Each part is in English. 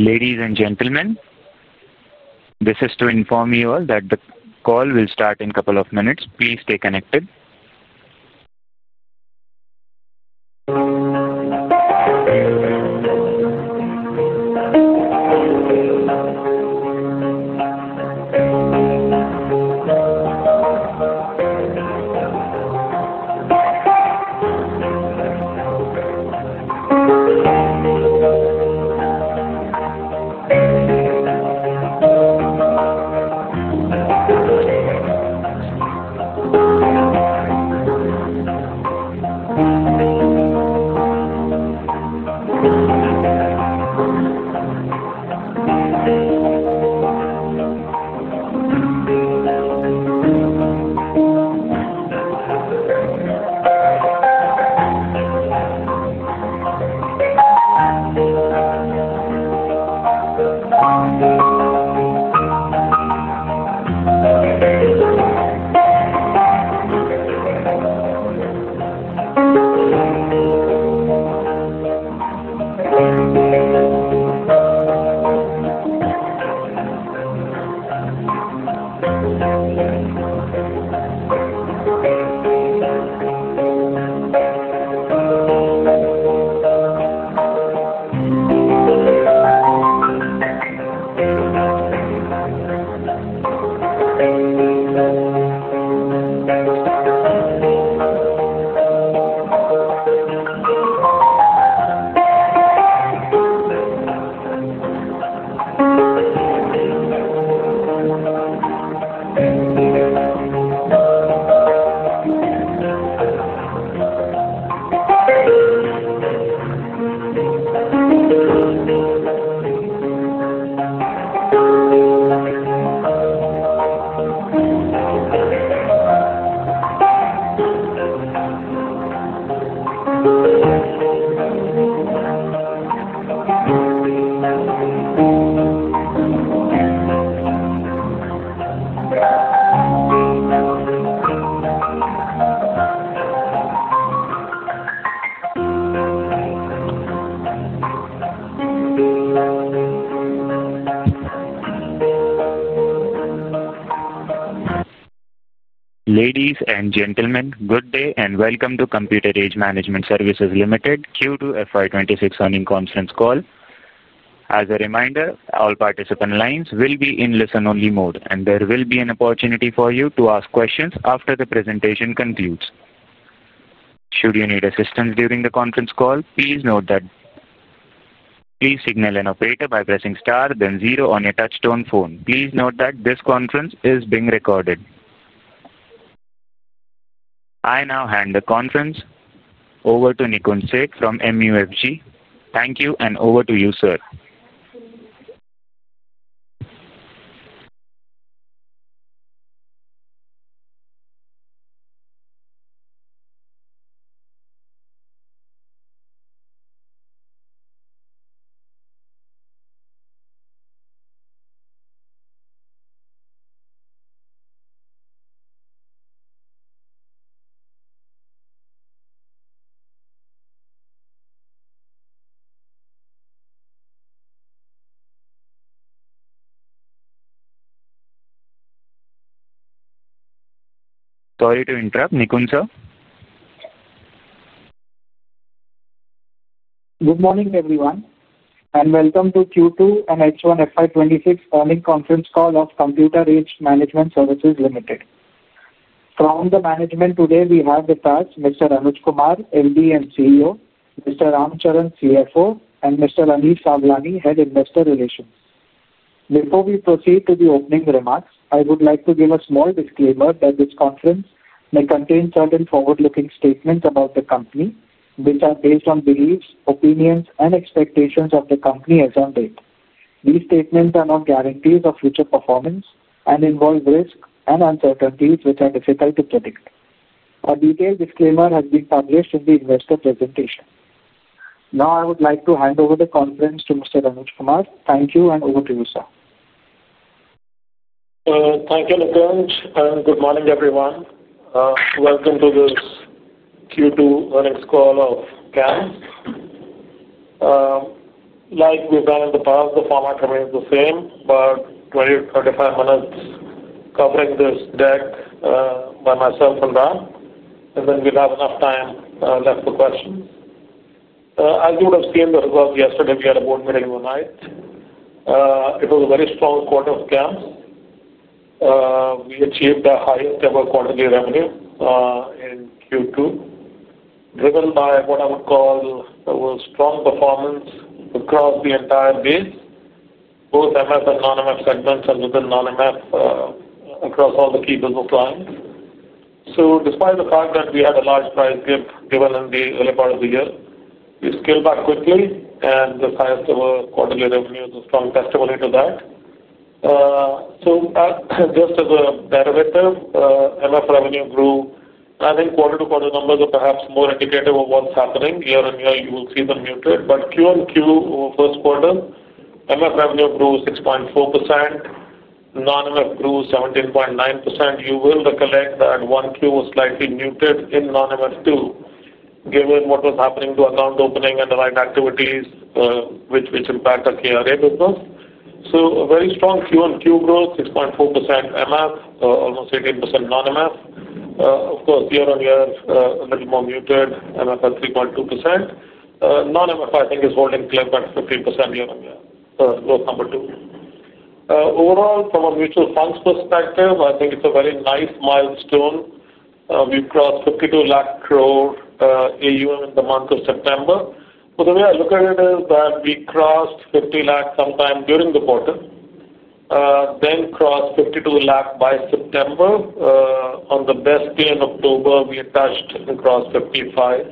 Ladies and gentlemen, this is to inform you all that the call will start in a couple of minutes. Please stay connected. It. Ladies and gentlemen, good day and welcome to Computer Age Management Services Limited Q2 FY 2026 earnings conference call. As a reminder, all participant lines will be in listen-only mode and there will be an opportunity for you to ask questions after the presentation concludes. Should you need assistance during the conference call, please signal an operator by pressing star then zero on your touch-tone phone. Please note that this conference is being recorded. I now hand the conference over to Nikunj Sekhri from MUFG. Thank you, and over to you, sir. Sorry to interrupt, Nikunj sir. Good morning everyone and welcome to Q2 and H1 FY 2026 earnings conference call of Computer Age Management Services Limited. From the management today we have with us Mr. Anuj Kumar, MD and CEO, Mr. Ram Charan Sesharaman, CFO, and Mr. Anish Sawlani, Head of Investor Relations. Before we proceed to the opening remarks, I would like to give a small disclaimer that this conference may contain certain forward-looking statements about the company which are based on beliefs, opinions, and expectations of the company as of date. These statements are not guarantees of future performance and involve risk and uncertainties which are difficult to predict. A detailed disclaimer has been published in the investor presentation. Now I would like to hand over the conference to Mr. Anuj Kumar. Thank you. Thank you Nikunj and good morning everyone. Welcome to this Q2 earnings call of CAMS. Like we've done in the past, the format remains the same, about 20 minutes-35 minutes covering this deck by myself and Ram, and then we'll have enough time left for questions. As you would have seen the results yesterday, we had about a minute in one night. It was a very strong quarter for CAMS. We achieved the highest ever quarterly revenue in Q2, driven by what I would call strong performance across the entire base, both MF and non-MF segments, and within non-MF across all the key business lines. Despite the fact that we had a large price gap given in the early part of the year, we scaled back quickly, and the size of our quarterly revenue is a strong testimony to that. Just as a derivative, MF revenue grew. I think quarter-to-quarter numbers are perhaps more indicative of what's happening year-on-year. You will see them muted, but QoQ over first quarter, MF revenue grew 6.4%, non-MF grew 17.9%. You will recollect that Q1 was slightly muted in non-MF given what was happening to account opening and the right activities which impact our KRA business. A very strong QoQ growth, 6.4% MF, almost 18% non-MF. Of course, year-on-year a little more muted. MF at 3.2%, non-MF I think is holding clip at 50% year-on-year. Growth number two, overall from a mutual funds perspective, I think it's a very nice milestone. We crossed 52 lakh crore AUM in the month of September. The way I look at it is that we crossed 50 lakh sometime during the quarter, then crossed 52 lakh by September. On the best day in October, we touched and crossed 55 lakh.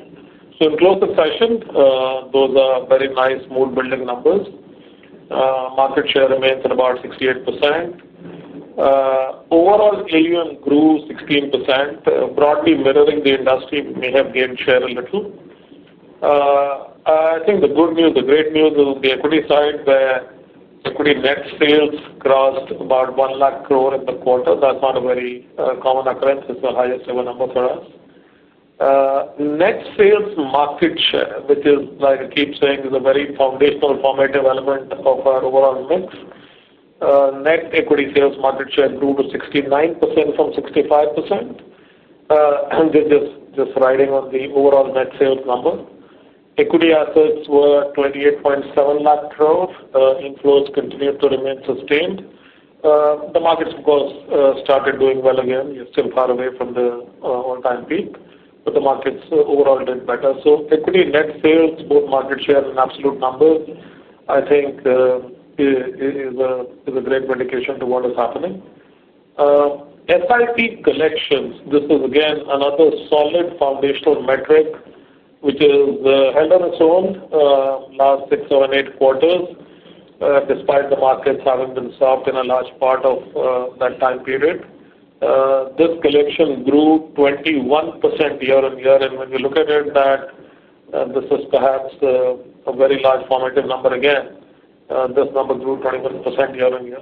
In close succession, those are very nice mood-building numbers. Market share remains at about 68%. Overall. AUM grew 16%, broadly mirroring the industry, may have gained share a little. I think the good news, the great news is the equity side where equity net sales crossed about 1 lakh crore in the quarter. That's not a very common occurrence. It's the highest ever number for U.S. net sales market share, which is like I keep saying is a very foundational, formative element of our overall mix. Net equity sales market share grew to 69% from 65%, just riding on the overall net sales number. Equity assets were 28.7 lakh crore. Inflows continued to remain sustained. The markets of course started doing well again. You're still far away from the all-time peak, but the markets overall did better. Equity net sales, both market shares in absolute numbers, I think is a great indication to what is happening. SIP collections, this is again another solid foundational metric which has held on its own last six, seven, eight quarters, despite the markets having been soft in a large part of that time period. This collection grew 21% year-on-year. When you look at it, this is perhaps a very large formative number. Again, this number grew 21% year-on-year.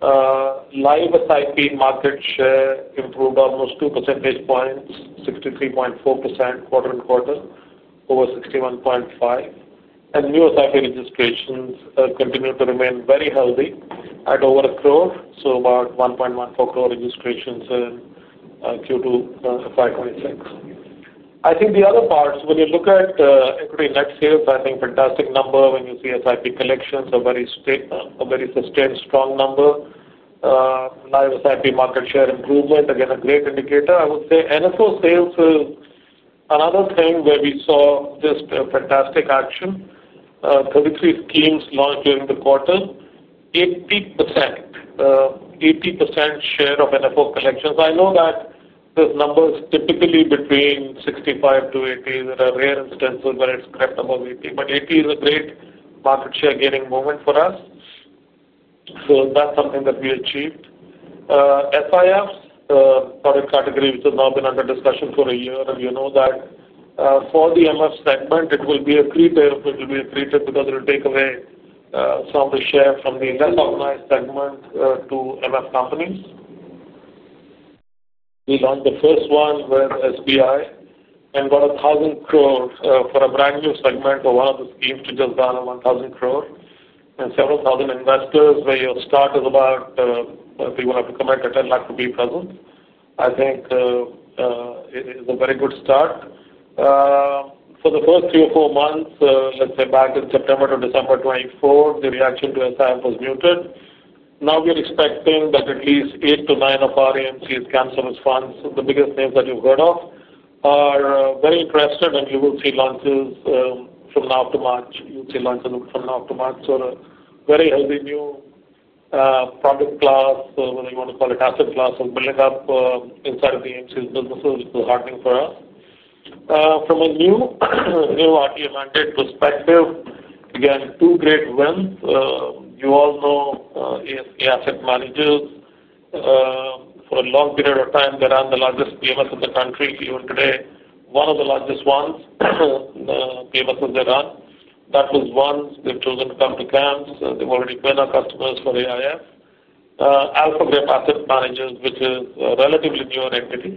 Live SIP market share improved almost 2 percentage points, 63.4% quarter-on-quarter over 61.5%. New SIP registrations continue to remain very healthy at over 1 crore, so about 1.14 crore registrations in Q2 FY 2026. I think the other parts, when you look at equity net sales, I think fantastic number. When you see SIP collections, a very sustained strong number. Nice SIP market share improvement, again a great indicator. I would say NFO sales is another thing where we saw just a fantastic action. 33 schemes launched during the quarter, 80% share of NFO collections. I know that this number is typically between 65-80%. There are rare instances where it's crept above 80%, but 80% is a great market share gaining moment for us. That's something that we achieved. SIF product category, which has now been under discussion for a year, you know that for the MF segment it will be a 3 payoff that will be accretive because it will take away some of the share from the less organized segment to MF companies. We launched the first one with SBI and got 1,000 crore for a brand new segment, for one of the schemes to just garner 1,000 crore and several thousand investors. Where your start is about, we want to commit a 10 lakh to be present. I think it's a very good start. For the first three or four months, let's say back in September to December 2024, the reaction to AIF was muted. Now we are expecting that at least 8-9 of our AMCs' CAMS-serviced funds, the biggest names that you've heard of, are very interested and you will see launches from now to March. You'll see launches from now to March. Very healthy new product class, whether you want to call it asset class, and building up inside of the AMC businesses, which is heartening for us from a new RTA mandate perspective. Again, two great wins. You all know ASK Asset Managers. For a long period of time they ran the largest PMS in the country. Even today one of the largest ones, PMS run, that was once they've chosen to come to CAMS, they've already been our customers for AIF. AlphaGrep Asset Managers, which is a relatively newer entity,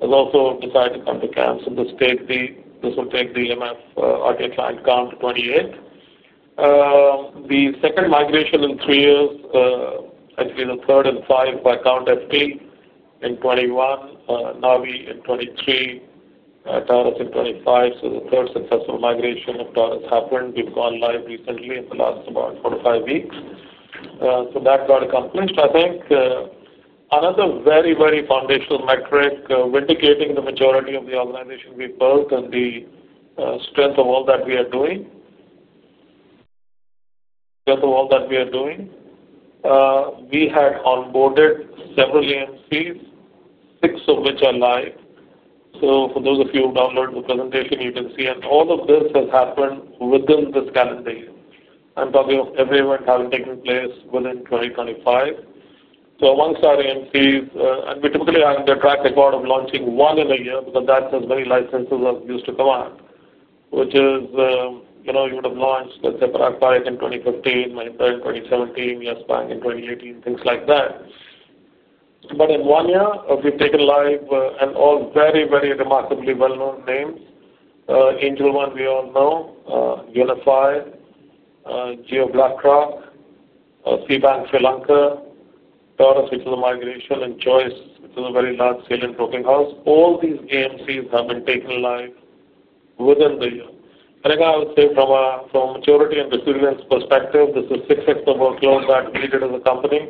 has also decided to come to CAMS. This will take the AMC RTA client count to 28, the second migration in three years. Actually the third in five by count, FT in 2021, Navi in 2023, Taurus in 2025. The third successful migration of Taurus happened. We've gone live recently in the last four to five weeks. That got accomplished. I think another very, very foundational metric, vindicating the maturity of the organization we built and the strength of all that we are doing. We had onboarded several AMCs, six of which are live. For those of you who download the presentation, you can see all of this has happened within this calendar year. I'm talking of every event having taken place within 2025. Amongst our AMCs, and we typically have the track record of launching one in a year because that's as many licenses as used to come on. You would have launched, let's say, Pramerica in 2015, Mirae in 2017, Yes Bank in 2018, things like that. In one year we've taken live all very, very remarkably well-known names. Angel One, we all know. UniFi, Jio BlackRock, C Bank Srilanka, which is a migration, and Choice, which is a very large salient broking house. All these AMCs have been taken live within the year. I would say from maturity and resilience perspective, this is 6x the workload that we did as a company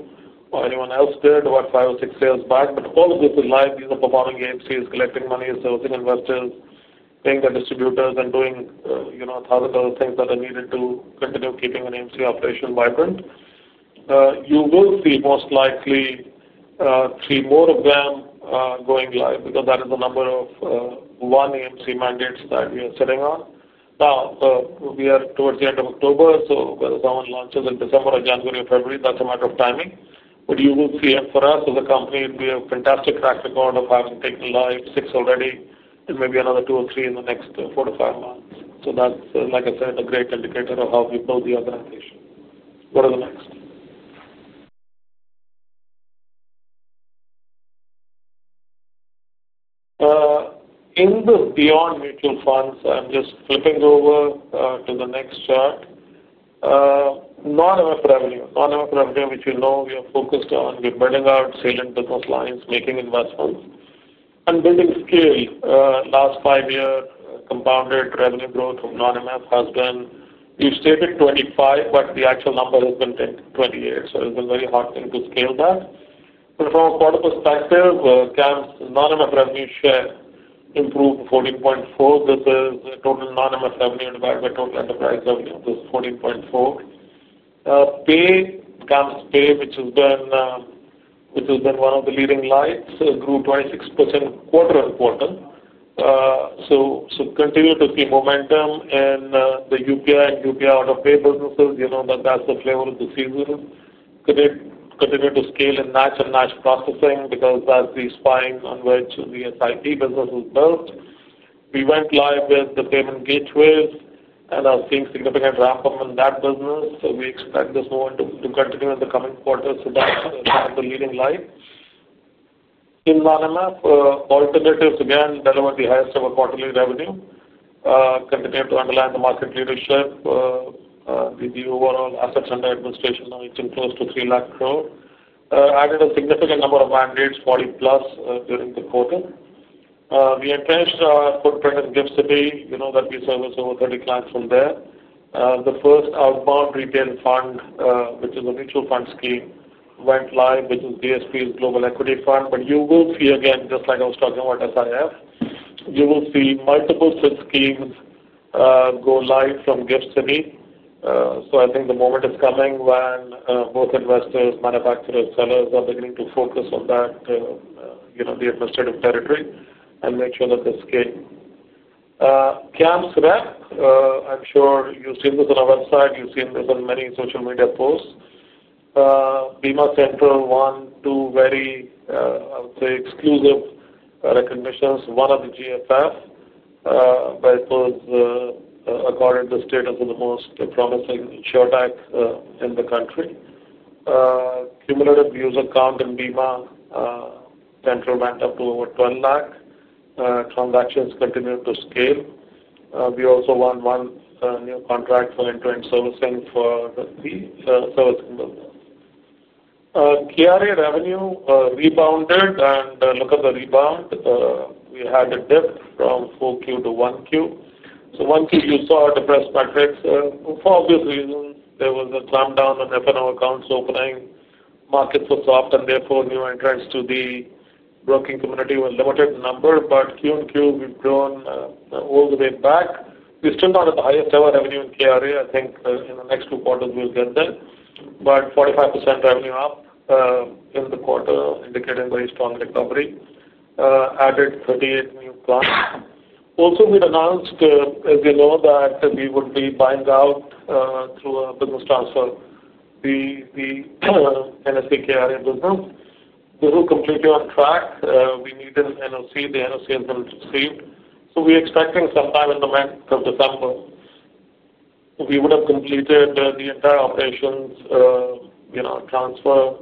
or anyone else did five or six years back. All of this is live. These are performing AMCs, collecting money, servicing investors, paying the distributors, and doing thousands of things that are needed to continue keeping an AMC operation vibrant. You will see most likely three more of them going live because that is the number of one AMC mandates that we are sitting on now. We are towards the end of October. Whether someone launches in December or January or February, that's a matter of timing. You will see for us as a company we have a fantastic track record of having taken live six already and maybe another two or three in the next four to five months. That's like I said, a great indicator of how we build the organization. What are the next in the beyond mutual funds? I'm just flipping over to the next chart. Non MF revenue. Non MF revenue which you know we are focused on, we're building out salient business lines, making investments and building scale. Last 5 year compounded revenue growth of non MF has been, you stated 25 but the actual number has been 28. It's a very hard thing to scale that. From a quarter perspective, CAMS' non MF revenue share improved 14.4. This is total non MF revenue divided by total enterprise revenue was 14.4. CAMSPay, which has been one of the leading lights, grew 26% quarter-on-quarter. Continue to see momentum in the UPI and UPI out of pay businesses. You know that's the flavor of the season. Continue to scale in natural NACH processing because that's the spine on which the SIP business is built. We went live with the payment gateways and are seeing significant ramp up in that business. We expect this momentum to continue in the coming quarters. The leading line in non MF alternatives again delivered the highest of our quarterly revenue. Continue to underline the market leadership with the overall assets under administration now reaching close to 3 lakh crore. Added a significant number of mandates, 40+ during the quarter. We entrenched our footprint in GIFT City. You know that we service over 30 clients from there. The first outbound retail fund, which is a mutual fund scheme, went live, which is DSP's global equity fund. You will see again just like I was talking about SIP, you will see multiple SIP schemes go live from GIFT City. I think the moment is coming when both investors, manufacturers, sellers are beginning to focus on that administrative territory and make sure that the scale comes up. I'm sure you've seen this on our website, you've seen this on many social media posts. Bima Central won two very, I would say, exclusive recognitions. One at the GFF, but it was according to status of the most promising suretac in the country. Cumulative user count in Bima Central went up to over 12 lakh. Transactions continued to scale. We also won one new contract for end-to-end servicing for the service. KRA revenue rebounded, and look at the rebound. We had a dip from 4Q to 1Q. 1Q you saw depressed metrics for obvious reasons. There was a slam down on F&O accounts. Opening markets were soft, and therefore new entrants to the broking community were limited in number. QoQ we've grown all the way back. We still do not have the highest ever revenue in KRA. I think in the next two quarters we'll get there. 45% revenue up in the quarter, indicating very strong recovery. Added 38 new plans. Also, we announced, as you know, that we would be buying out, through a business transfer, the NSE KRA business. This is completely on track. We need an NOC. The NOC has been received, so we are expecting sometime in the month of December we would have completed the entire operations transfer,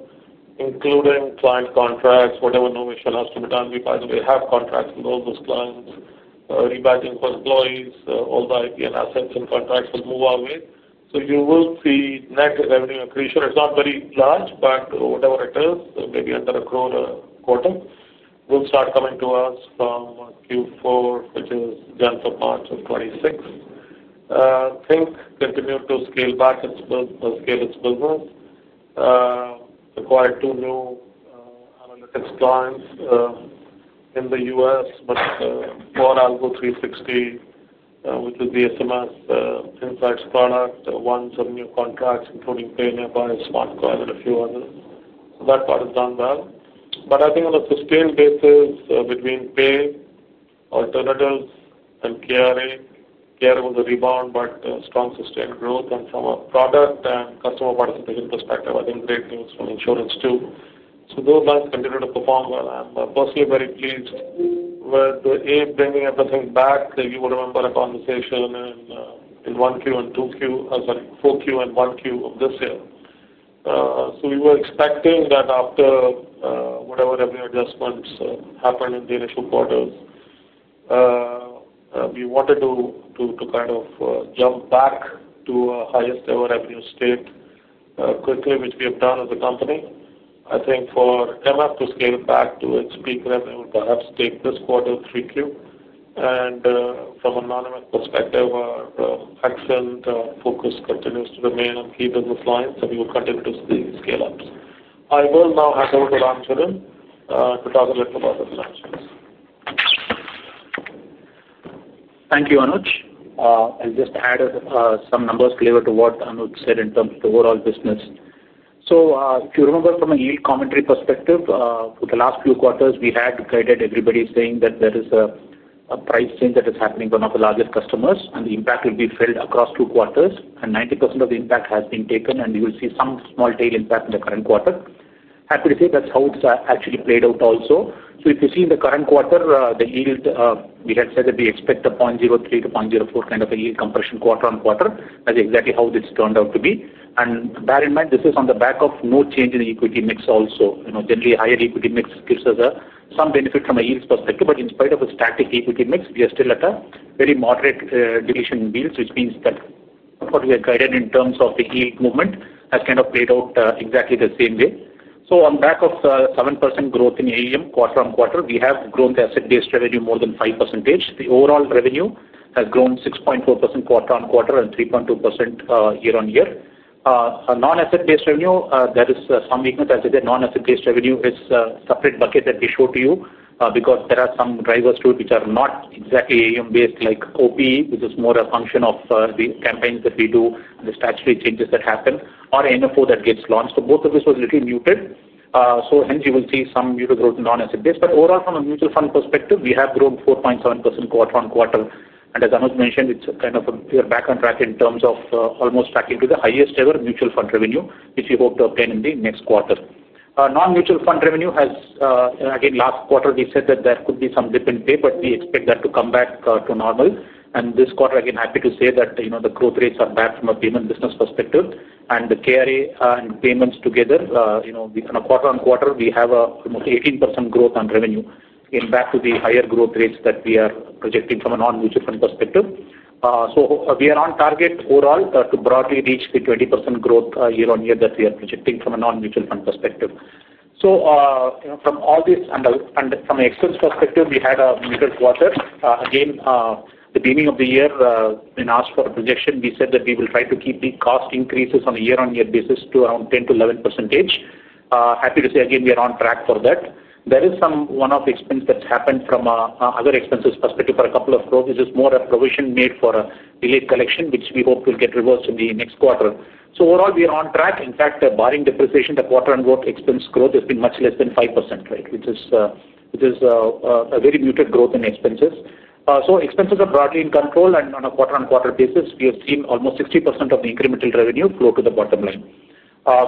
including client contracts. Whatever novation has to be done. We, by the way, have contracts with all those clients. Rebadging for employees. All the IBM assets and contracts will move our way. You will see net revenue accretion. It's not very large, but whatever it is, maybe under 1 crore a quarter, will start coming to us from Q4, which is done for March of 2026. Think continued to scale back its scale. Its business required two new analytics clients in the U.S., but for Algo360, which is the SMS insights product, won some new contracts including PayNearby, SmartCoin, and a few others. That part has done well, but I think on a sustained basis, between pay alternatives and KRA, KRA was a rebound, but strong sustained growth, and from a product and customer participation perspective, I think great things from insurance too. Those banks continue to perform well. I'm personally very pleased with bringing everything back. You would remember a conversation in 1Q and 2Q, sorry, 4Q and 1Q of this year. We were expecting that after whatever revenue adjustments happened in the initial quarters, we wanted to kind of jump back to highest ever revenue state quickly, which we have done as a company. I think for CAMS to scale back to its peak revenue, perhaps take this quarter, 3Q, and from an perspective our excellent focus continues to remain on key business lines and we will continue to see scale ups. I will now hand over to Ram Charan Sesharaman to talk a little. Thank you Anuj. I'll just add some numbers flavor to what Anuj said in terms of the overall business. If you remember from a yield commentary perspective for the last few quarters, we had to guide everybody saying that there is a price change that is happening with one of the largest customers and the impact will be felt across two quarters. 90% of the impact has been taken and you will see some small tail impact in the current quarter. Happy to say that's how it's actually played out also. If you see in the current quarter, the yield, we had said that we expect the 0.03 to 0.04 kind of a yield compression quarter-on-quarter. That's exactly how this turned out to be. Bear in mind this is on the back of no change in the equity mix. Also, generally higher equity mix gives us some benefit from a yield perspective. In spite of a stacked equity mix, we are still at a very moderate dilution in yields, which means that what we have guided in terms of the yield movement has kind of played out exactly the same way. On the back of 7% growth in AUM quarter-on-quarter, we have grown the asset-based revenue more than 5%. The overall revenue has grown 6.4% quarter-on-quarter and 3.2% year-on-year. Non-asset-based revenue, there is some weakness. As I said, non-asset-based revenue is a separate bucket that we showed to you because there are some drivers to it which are not exactly AUM based, like OPE, which is more a function of the campaigns that we do, the statutory changes that happen, or NFO that gets launched. Both of this was little muted. Hence, you will see some mutual fund growth and non-mutual fund growth as it is. Overall, from a mutual fund. Perspective we have grown 4.7% quarter-on-quarter, and as Anuj mentioned, it's kind of we are back on track in terms of almost tracking to the highest ever mutual fund revenue, which we hope to obtain in the next quarter. Non-mutual fund revenue has, again, last quarter we said that there could be some dip in pay, but we expect that to come back to normal. This quarter, again, happy to say that the growth rates are back from a payment business perspective, and the KRA and payments together, quarter-on-quarter, we have almost 18% growth on revenue, in fact, to the higher growth rates that we are projecting from a non-mutual fund perspective. We are on target overall to broadly reach the 20% growth year-on-year that we are projecting from a non-mutual fund perspective. From all this, from an excellence perspective, we had a good quarter. Again, the beginning of the year in our projection, we said that we will try to keep the cost increases on a year-on-year basis to around 10%-11%. Happy to say again we are on track for that. There is some one-off expense that's happened from other expenses perspective for a. Couple of crores, which is more a. Provision made for a delayed collection which we hope will get reversed in the next quarter. Overall we are on track. In fact, barring depreciation, the quarter onward expense growth has been much less than 5%, which is a very muted growth in expenses. Expenses are broadly in control, and on a quarter-on-quarter basis we have seen almost 60% of the incremental revenue flow to the bottom line,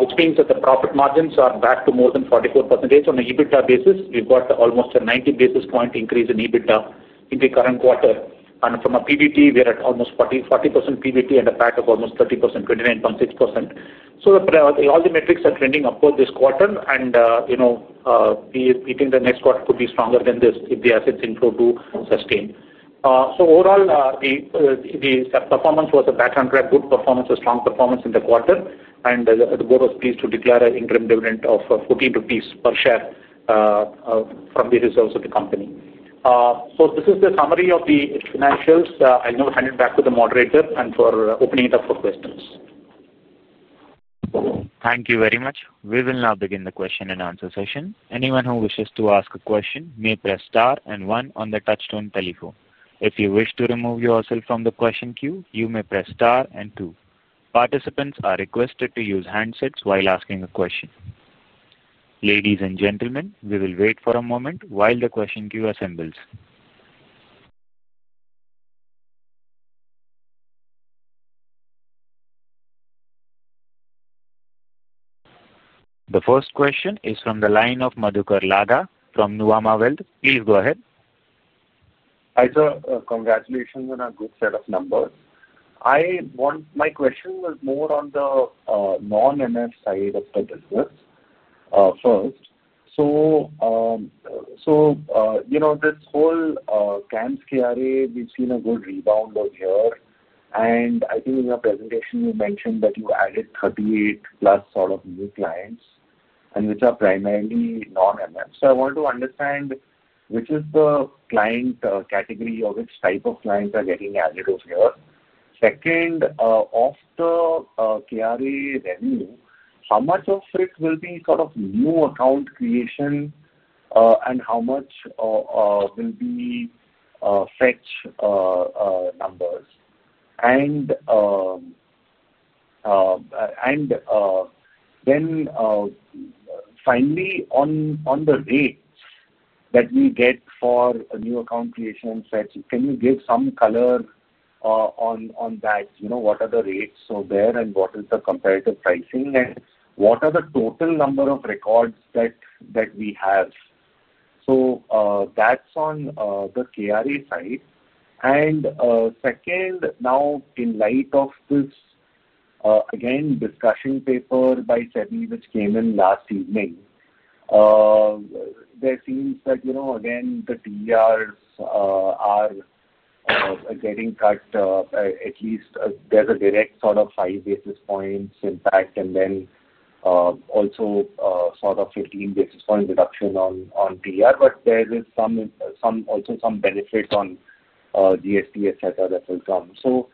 which means that the profit margins are back to more than 44% on an EBITDA basis. We've got almost a 90 basis point increase in EBITDA in the current quarter, and from a PBT we are at almost 40% PBT and a PAT of almost 30%, 29.6%. All the metrics are trending upward this quarter, and we think the next quarter could be stronger than this if the assets inflow sustains. Overall, the performance was a batch 100 good performance, a strong performance in the quarter, and the board was pleased to declare an interim dividend of 14 rupees per share from the reserves of the company. This is the summary of the financials. I now hand it back to the moderator for opening it up for questions. Thank you very much. We will now begin the question and answer session. Anyone who wishes to ask a question may press star and one on the Touchstone telephone. If you wish to remove yourself from the question queue, you may press star and two. Participants are requested to use handsets while asking a question. Ladies and gentlemen, we will wait for a moment while the question queue assembles. The first question is from the line of Madhukar Lada from Nuvama Wealth. Please go ahead. Hi sir. Congratulations on a good set of numbers. My question was more on the non-mutual fund side of the business first. So. You know this whole CAMS KRA, we've seen a good rebound over here, and I think in your presentation you mentioned that you added 38+ sort of new clients, which are primarily non-MF. I want to understand which is the client category or which type of clients are getting added over here. Second, of the KRA revenue, how much of it will be sort of new account creation and how much will be fetch numbers, and then finally on the rates that we get for new account creation sets. Can you give some color on that? You know what are the rates where. What is the comparative pricing and what are the total number of records that we have? That's on the KRA side. Second, now in light of this discussion paper by SEBI which came in last evening, it seems that again the TERs are getting cut. At least there's a direct sort of 5 basis points impact and then also sort of 15 basis points reduction on TER, but there is also some benefit on GST, etc. that will come. So.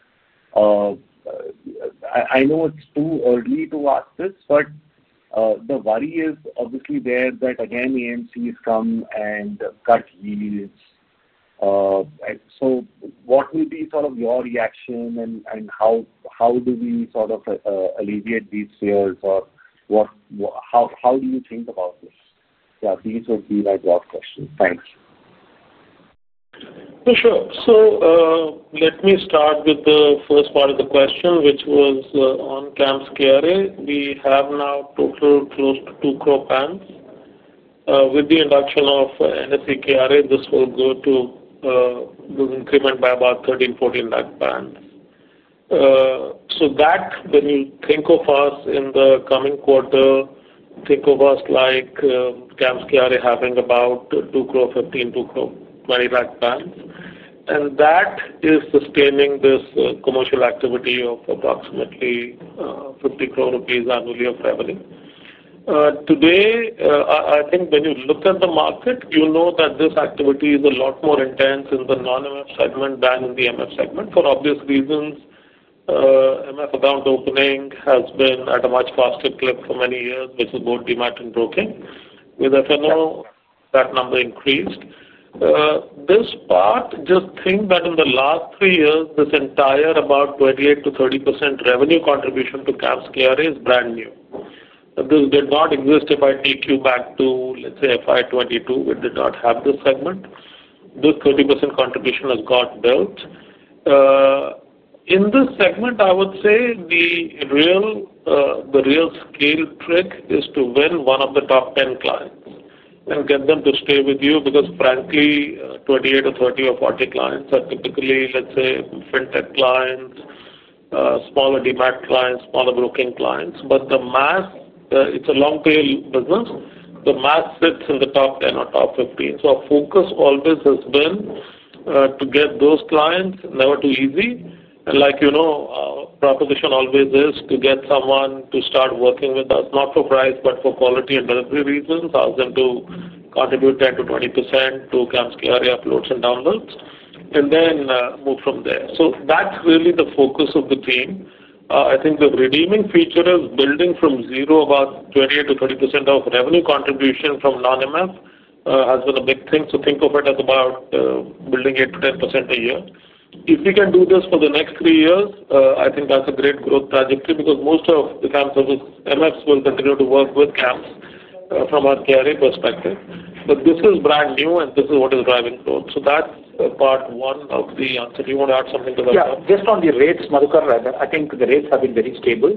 I know it's too early to ask this, but the worry is obviously there that again AMCs come and cut yields. What will be sort of your reaction, and how do we sort of alleviate these fears, or how do you think about this? These would be my broad questions. Thanks. Sure. Let me start with the first part of the question which was on CAMS KRA. We have now totaled close to 2 crore PANs. With the induction of NSE KRA, this will increment by about 13 lakh-14 lakh PANs. When you think of us in the coming quarter, think of us like CAMS KRA having about 2 crore 15 lakh-20 lakh PANs, and that is sustaining this commercial activity of approximately 50 crore rupees annually of revenue today. I think when you look at the market, you know that this activity is a lot more intense in the non-MF segment than in the MF segment for obvious reasons. MF account opening has been at a much faster clip for many years, which is both demat and broking with F&O. That number increased this part. Just think that in the last three years, this entire about 28%-30% revenue contribution to CAMS KRA is brand new; this did not exist. If I take you back to, let's say, FY 2022, it did not have this segment. This 30% contribution has got built in this segment. I would say the real scale trick is to win one of the top 10 clients and get them to stay with you because frankly, 28 clients or 30 clients or 40 clients are typically, let's say, fintech clients, smaller demat clients, smaller broking clients. It's a long tail business. The math sits in the top 10 or top 15. Our focus always has been to get those clients. Never too easy, and like you know, proposition always is to get someone to start working with us not for price but for quality and delivery reasons. Ask them to contribute 10%-20% to CAMS KRA uploads and downloads and then move from there. That's really the focus of the team. I think the redeeming feature is building from zero. About 28%-30% of revenue contribution from non-MF has been a big thing. Think of it as about building it to 10% a year. If we can do this for the. Next three years I think that's a great growth trajectory because most of the CAMS MF will continue to work with CAMS from our carry perspective. This is brand new and this is what is driving growth. That's part one of the answer. Do you want to add something to that? Yeah, just on the rates, I think the rates have been very stable.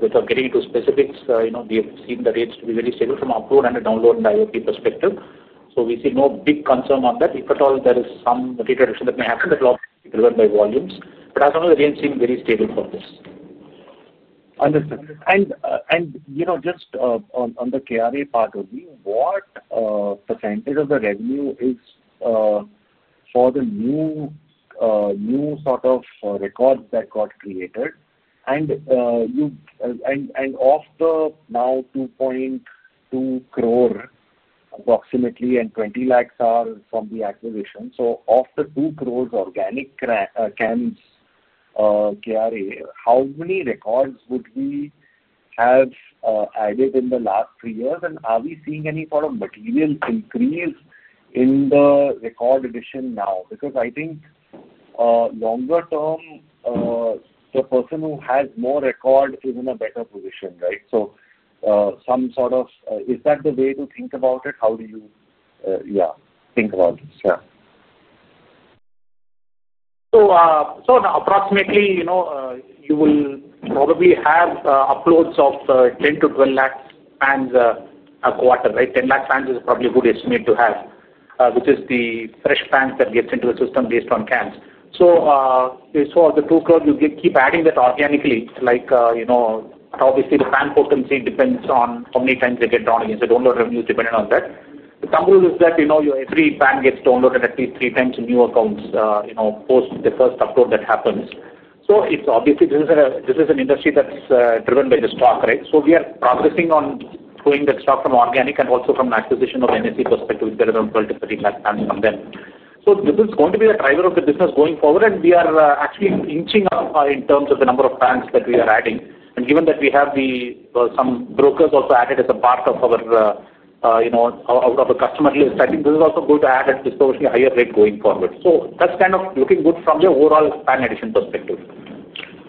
Without getting into specifics, you know, we have seen the rates to be very stable from upload and a download and IoT perspective. We see no big concern on that. If at all, there is some that may happen. Will be delivered by volumes, but as. The range seems very stable for this. Understood. On the KRA part of me, what percent of the revenue is for the new sort of records that got created? Of course, the now 2.2 crore approximately and 20 lakhs are from the acquisition. Of the 2 crore organic CAMS KRA, how many records would we have added in the last three years? Are we seeing any sort of material increase in the record addition now? I think longer term the person who has more record is in a better position, right. Some sort of. Is that the way to think about it? How do you think about this? You will probably have uploads of 10 lakh-12 lakh PANs a quarter. Right. 10 lakh PANs is probably a good estimate to have, which is the fresh PANs that gets into the system based on CAMS. As far as the two crowds. You keep adding that organically. Obviously, the fan potency depends on how many times they get down again. Download revenues depend on that. The thumb rule is that you know. Every PAN gets downloaded at least three times in new accounts, you know, post the first upload that happens. It's obviously this is an industry. That's driven by the stock, right. We are progressing on growing the stock from organic and also from the acquisition of NSE KRA perspective. We get around 12 lakh-13 lakh from them. This is going to be the driver of the business going forward. We are actually inching up in terms of the number of banks that we are adding. Given that we have some brokers also added as a part of our, you know, out of the customer. List, I think this is also going. To add a disproportionately higher rate going forward, that's kind of looking good from the overall PAN addition perspective.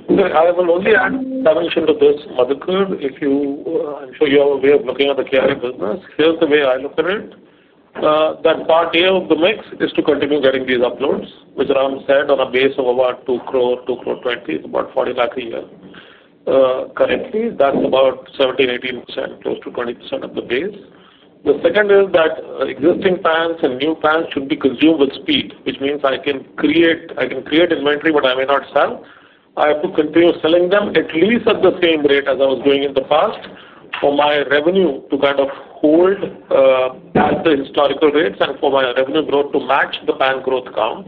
I will only add dimension to this mother curve. If you have a way of looking at the KRA business, here's the way I look at it. Part A of the mix is to continue getting these uploads, which Ram said, on a base of about 2 crore, 2 crore 20, about 40 lakh a year. Currently, that's about 17%, 18%, close to 20% of the base. The second is that existing fans and new fans should be consumed with speed, which means I can create inventory, but I may not sell. I have to continue selling them at least at the same rate as I was doing in the past for my revenue to kind of hold at the historical rates and for my revenue growth to match the bank growth count.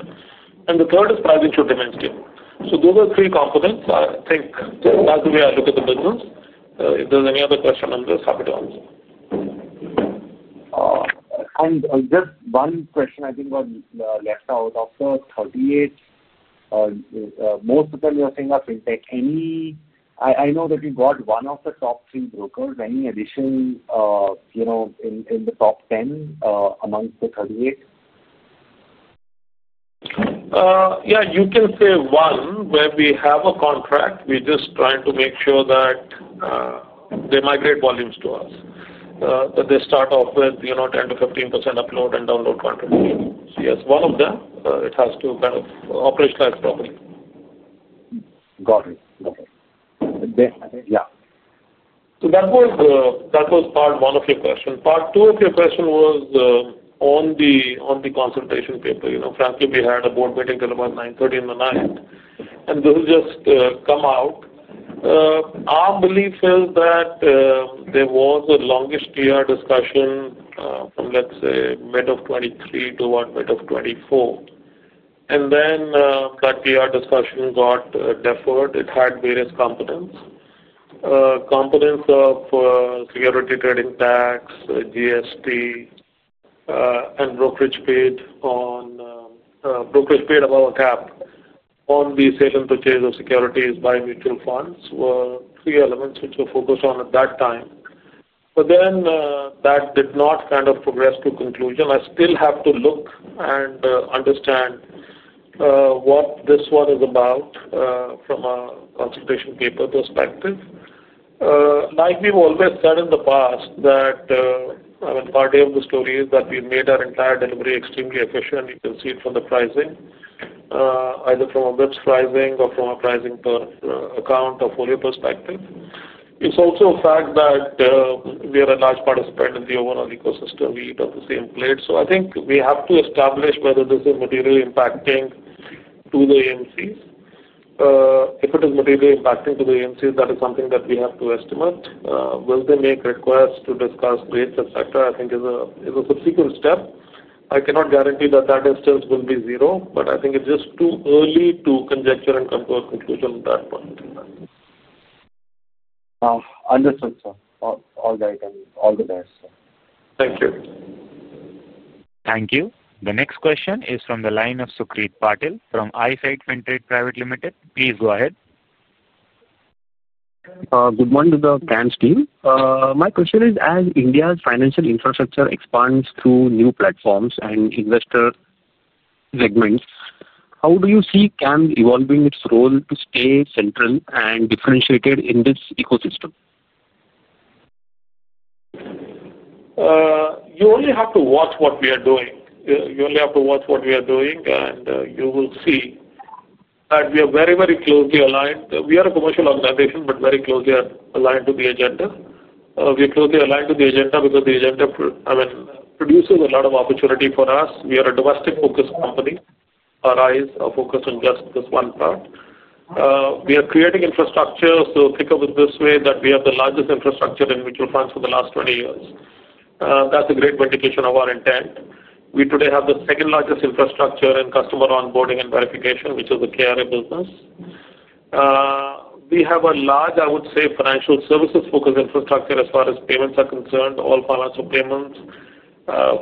The third is pricing should demand. Those are three components. I think that's the way I look at the business. If there's any other question, I'm just happy to answer. Just one question I think was left out of the 3:38. Most of them you're saying are fintech. I know that you got one of the top three brokers. Any addition, you know, in the top 10 amongst the 38? Yeah, you can say one where we have a contract. We're just trying to make sure that they migrate volumes to us. They start off with, you know, 10%-15% upload and download content. Yes, one of them. It has to kind of operationalize properly. Got it. Yeah. That was part one of your question. Part two of your question was on the consultation paper. Frankly, we had a board meeting till about 9:30 P.M. and this has just come out. Our belief is that there was a longish TR discussion from, let's say, mid of 2023 toward mid of 2024. That PR discussion got deferred. It had various components—components of security, trading, tax, GST, and brokerage. Brokerage paid above a cap on the sale and purchase of securities by mutual funds were three elements which were focused on at that time. That did not progress to conclusion. I still have to look and understand what this one is about from a consultation paper perspective. Like we've always said in the past, part A of the story is that we made our entire delivery extremely efficient. You can see it from the pricing, either from a bps pricing or from a pricing account or folio perspective. It's also a fact that we are a large participant in the overall ecosystem. We eat at the same plate. I think we have to establish whether this is materially impacting to the AMCs. If it is materially impacting to the AMCs, that is something that we have to estimate. Will they make requests to discuss rates, etc., I think is a subsequent step. I cannot guarantee that that distance will be zero. I think it's just too early to conjecture and come to a conclusion. That understood, sir. All right. All the best. Thank you. Thank you. The next question is from the line of Sucrit Patil from Eyesight Fintrade Private Limited. Please go ahead. Good morning to the CAMS team. My question is as India's financial infrastructure expands through new platforms and investor segments, how do you see CAMS evolving its. Role to stay central and differentiated in this ecosystem? You only have to watch what we are doing. You only have to watch what we are doing. You will see that we are very, very closely aligned. We are a commercial organization but very closely aligned to the agenda. We are closely aligned to the agenda because the agenda, I mean, produces a lot of opportunity for us. We are a domestic-focused company. Our eyes are focused on just this one part. We are creating infrastructure. Think of it this way: we have the largest infrastructure in mutual funds for the last 20 years. That's a great vindication of our intent. We today have the second largest infrastructure in customer onboarding and verification, which is a KRA business. We have a large, I would say, financial services-focused infrastructure as far as payments are concerned. All financial payments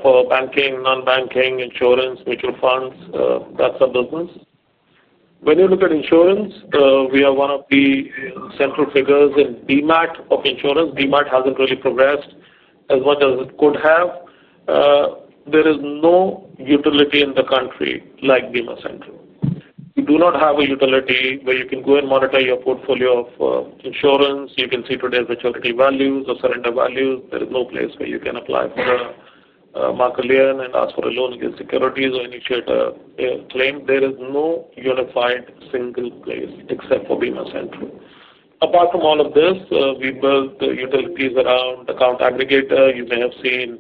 for banking, non-banking, insurance, mutual funds. That's a business. When you look at insurance, we are one of the central figures in BMAT of insurance. BMAT hasn't really progressed as much as it could have. There is no utility in the country like Bima Central. We do not have a utility where you can go and monitor your portfolio of insurance. You can see today's maturity values or surrender values. There is no place where you can apply for marker lien and ask for a loan against securities or initiate a claim. There is no unified single place except for Bima Central. Apart from all of this, we build utilities around account aggregator. You may have seen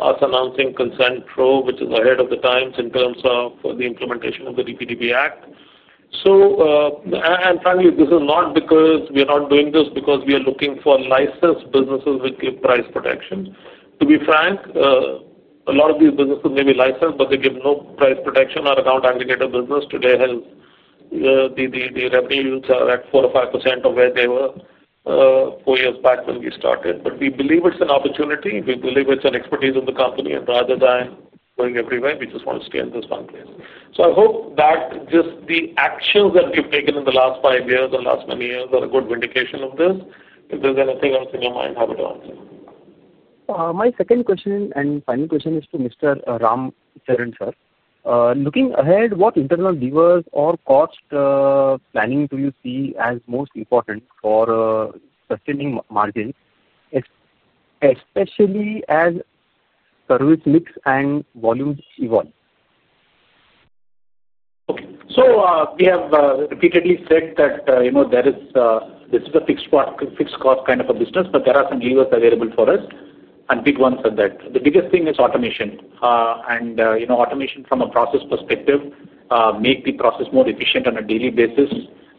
us announcing ConsenPro, which is ahead of the times in terms of the implementation of the DPDP Act. Finally, we are not doing this because we are looking for licensed businesses with price protection. To be frank, a lot of these businesses may be licensed but they give no price protection. Our account aggregator business today has the revenues at 4% or 5% of where they were four years back when we started. We believe it's an opportunity. We believe it's an expertise in the company and rather than going everywhere, we just want to stay in this one place. I hope that just the actions that we've taken in the last five years or last many years are a good vindication of this. If there's anything else in your mind, how would answer my second question. Final question is to Mr. Ram Charan Sesharaman. Sir, looking ahead, what internal levers or cost planning do you see as most important for sustaining margins, especially as service mix and volumes evolve? Okay, we have repeatedly said that. There is, this is a fixed cost kind of a business, but there are some levers available for us, and big ones are that the biggest thing is automation. Automation from a process perspective makes the process more efficient on a daily basis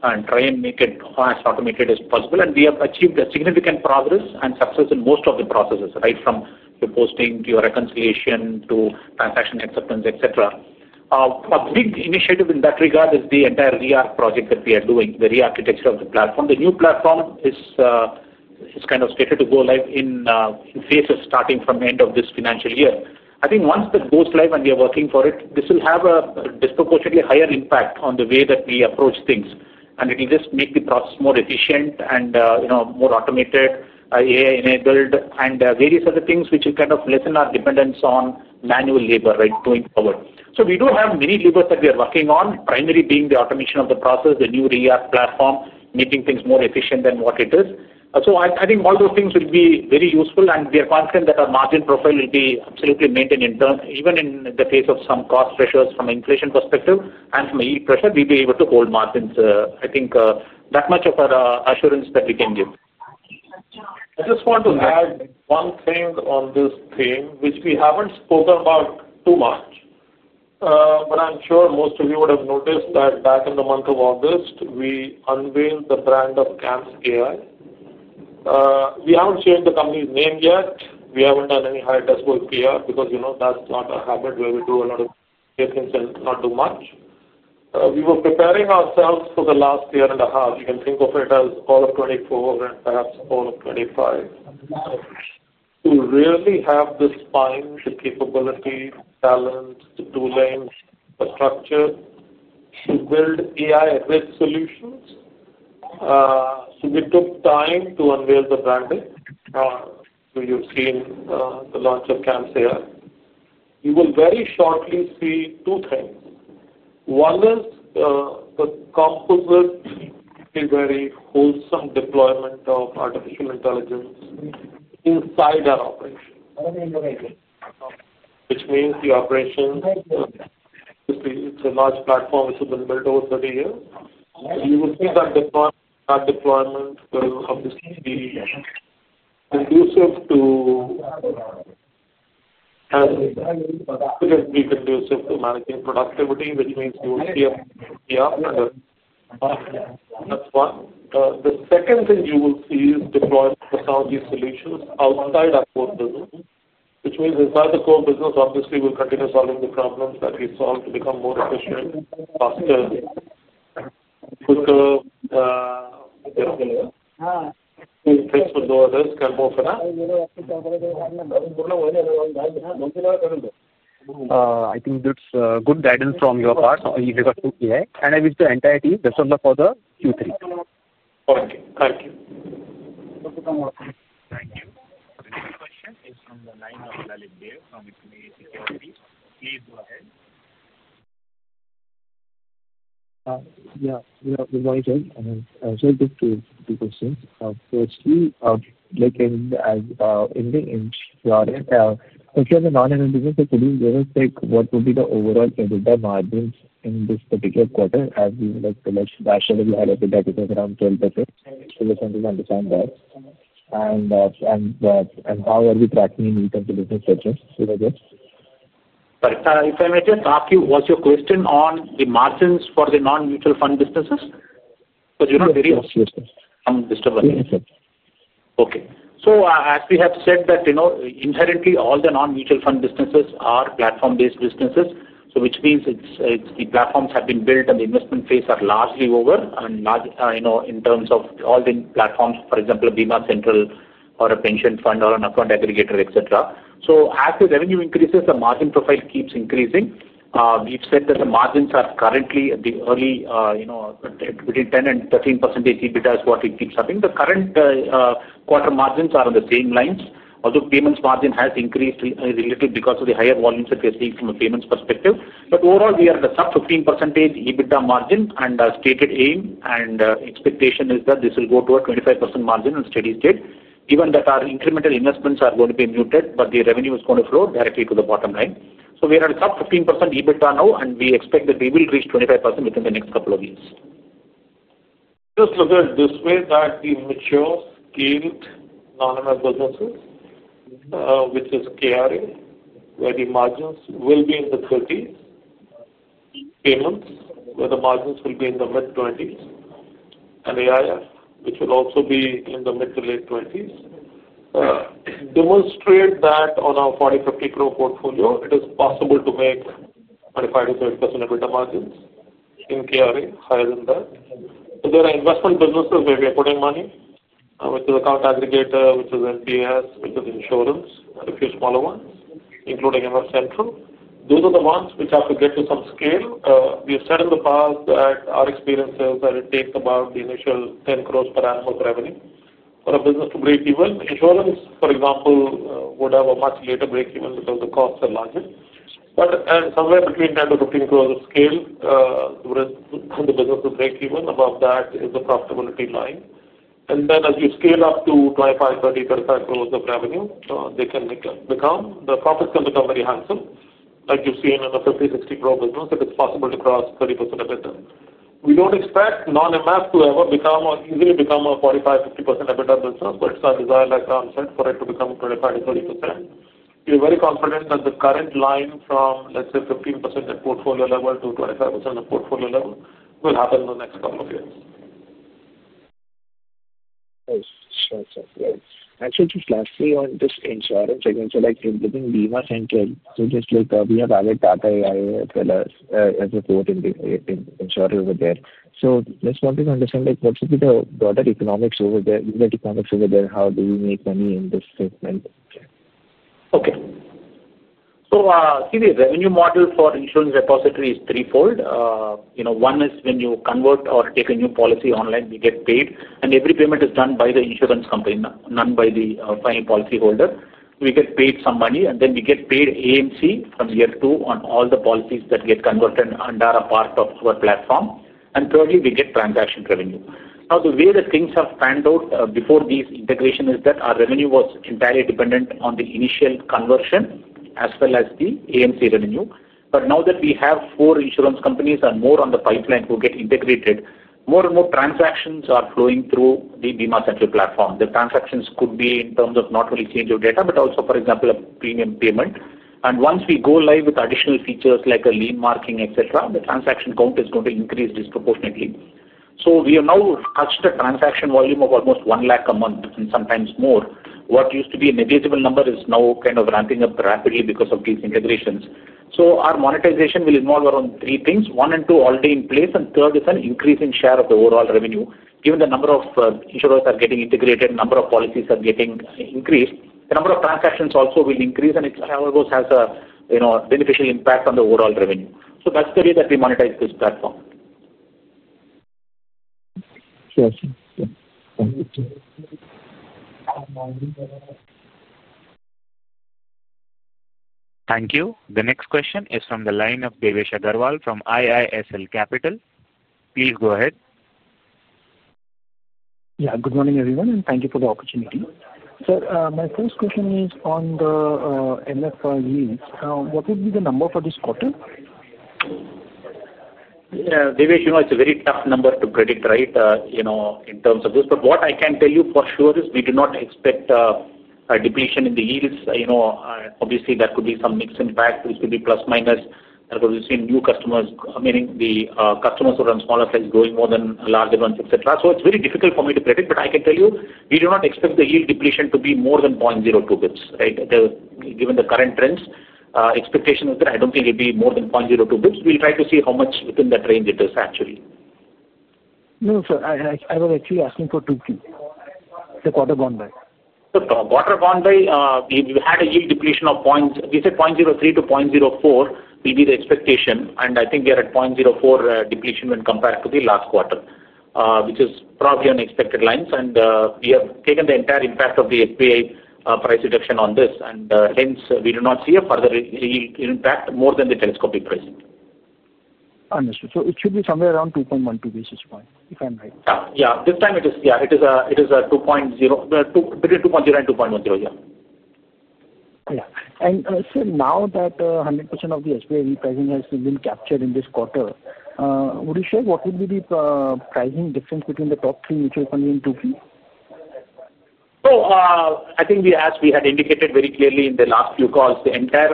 and tries to make it as automated as possible. We have achieved significant progress and success in most of the processes, right from the posting to your reconciliation to transaction acceptance, etc. A big initiative in that regard is the entire Re-arch project that we are doing, the re-architecture of the platform. The new platform is kind of scheduled to go live in phases starting from the end of this financial year. I think once that goes live and we are working for it, this will have a disproportionately higher impact on the way that we approach things. It will just make the process more efficient and more automated, AI enabled, and various other things which will kind of lessen our dependence on manual labor going forward. We do have many levers that we are working on, primary being the automation of the process, the new Re-arch platform, making things more efficient than what it is. I think all those things will be very useful, and we are confident that our margin profile will be absolutely maintained even in the face of some cost pressures. From an inflation perspective and from yield pressure, we'll be able to hold margins. I think that much of our assurance that we can give. I just want to add one thing on this theme which we haven't spoken about too much, but I'm sure most of you would have noticed that back in the month of August we unveiled the brand of CAMSAi. We haven't changed the company's name yet, we haven't done any higher decibel PR because you know that's not a habit where we do a lot of, not too much. We were preparing ourselves for the last year and a half. You can think of it as all of 2024 and perhaps all of 2025 to really have the spine, the capability, talent, the tooling, a structure to build AI solutions since it took time to unveil the branding. You've seen the launch of CAMSAi. You will very shortly see two things. One is the composite, a very wholesome deployment of artificial intelligence inside our operation, which means the operation, it's a large platform which has been built over 30 years. You will see that deployment will obviously be conducive to managing productivity. Which means you will see. That's one. The second thing you will see is deployment technology solutions outside of portable, which means inside the core business obviously we'll continue solving the problems that we solve to become more efficient, faster, quicker. I think that's good guidance from you. Part, and I wish the entire team. Best of luck for the Q3. Okay, thank you. Thank you. Please go ahead. Yeah, firstly, in the non-mutual fund business, could you give us what would be the overall EBITDA margins in this particular quarter? As you mentioned, nationally we had around 12%. How are we tracking business? If I may just ask you, what's your question on the margins for the non-mutual fund businesses? As we have said, you know inherently all the non-mutual fund businesses are platform-based businesses, which means the platforms have been built and the investment phase is largely over. In terms of all the platforms, for example, Bima Central or a pension fund or an account aggregator, etc., as the revenue increases, the margin profile keeps increasing. We've said that the margins are currently at the early, you know, between 10% and 13% EBITDA is what it keeps having. The current quarter margins are on the same line, although payments margin has increased related because of the higher volumes that we are seeing from a payments perspective. Overall we are at the sub. 15% EBITDA margin and stated aim and expectation is that this will go to a 25% margin in steady state. Given that our incremental investments are going to be muted, but the revenue is going to flow directly to the bottom line. We are at a top 15% EBITDA now and we expect that we will reach 25% within the next couple of years. Just look at it this way that the mature scaled non-MF businesses, which is KRA where the margins will be in the 30s, payments where the margins will be in the mid-20s, and AIF which will also be in the mid to late 20s, demonstrate that on our 40 crore-50 crore portfolio it is possible to make 25%-30% EBITDA margins in KRA, higher than that. There are investment businesses where we are putting money, which is account aggregator, which is NPS, which is insurance, a few smaller ones including MF Central. Those are the ones which have to get to some scale. We have said in the past that our experience is that it takes about the initial 10 crores per annum of revenue for a business to break even. Insurance, for example, would have a much later break even because the costs are larger. Somewhere between, we intend to routinely grow the scale. The business will break even; above that is the profitability line. As you scale up to 25 crores, 30 crores, 35 crores of revenue, the profits can become very handsome. Like you've seen in a 50 crore-60 crore business, it is possible to cross 30% EBITDA. We don't expect non-MF to ever become or easily become a 45%, 50% EBITDA business. It's our desire, like concept, for it to become 25%, 30%. We're very confident that the current line from, let's say, 15% at portfolio level to 25% at portfolio level will happen in the next couple of years. Just lastly on this insurance, like central, just like we have added TATA AIG as well as a port in over there, I wanted to understand what should be the broader economics over there. How do you make money in this statement? Okay, so revenue model for insurance repository is threefold. One is when you convert or take a new policy online. You get paid and every payment is done by the insurance company, none by the policyholder. We get paid some money and then we get paid AMC. From year two on, all the policies that get converted under a part of our platform and probably we get prime time. Now the way that things have panned out before these integration is that our revenue was entirely dependent on the initial conversion as well as the AMC revenue. Now that we have four insurance companies and more on the pipeline who get integrated, more and more transactions are flowing through the Bima Central platform. The transactions could be in terms of not only change of data but also, for example, a premium payment. Once we go live with additional features like a, the transaction count is going to increase disproportionately. We have now touched a transaction volume of almost 1 lakh a month and sometimes more. What used to be a negligible number is now kind of ramping up rapidly because of these integrations. Our monetization will involve around three things, 1 and 2 already in place. Third is an increase in share of the overall revenue. Given the number of insurers are getting integrated, number of policies are getting increased, the number of transactions also will increase and it has a beneficial impact on the overall revenue. That's the way that we monetize this platform. Thank you. Thank you. The next question is from the line of Devesh Agarwal from IIFL Capital. Please go ahead. Good morning everyone, and thank you for the opportunity. Sir, my first question is on the. MF, what would be the number for this quarter? It's a very tough number to predict, right. In terms of this, what I can tell you for sure is we do not expect a depletion in the yields. Obviously, there could be some mix. In fact, this could be plus minus because we've seen new customers, meaning the customers who run smaller size, growing more than larger ones, etc. It's very difficult for me to predict. I can tell you we do not expect the yield depletion to be more than 0.02 bps given the current trends. Expectation is that I don't think it'd be more than 0.02 bps. We'll try to see how much within that range it is. No, sir, I was actually asking for two things. The quarter gone by, we had a yield depletion of 0. We said 0.03 to 0.04 will be the expectation. I think we are at 0.04 depletion when compared to the last quarter, which is probably on expected lines. We have taken the entire impact of the FBI price reduction on this, and hence we do not see a further impact more than the telescopic present. It should be somewhere around 2.12 basis points, if I'm right. Yeah, this time it is. Yeah, it is. It is a 2.0, between 2.0 and 2.10. Yeah. Yeah. Now that 100% of the SBI present has been captured in this quarter, would you share what would be the pricing difference between the top three mutual fund and 2P? I think as we had indicated very clearly in the last few calls, the entire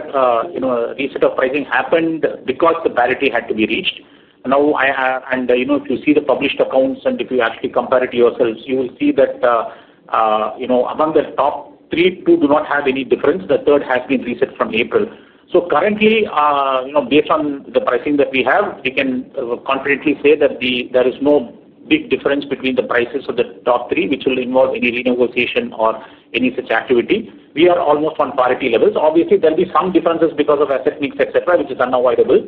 reset of pricing happened because the parity had to be reached now, and if you see the published accounts and if you actually compare it yourselves, you will see that among the top three, two do not have any difference. The third has been reset from April. Currently, based on the pricing that we have, we can confidently say that there is no big difference between the prices of the top three which will involve any renegotiation or any such activity. We are almost on parity levels. Obviously, there will be some differences because of asset mix, etc., which is unavoidable,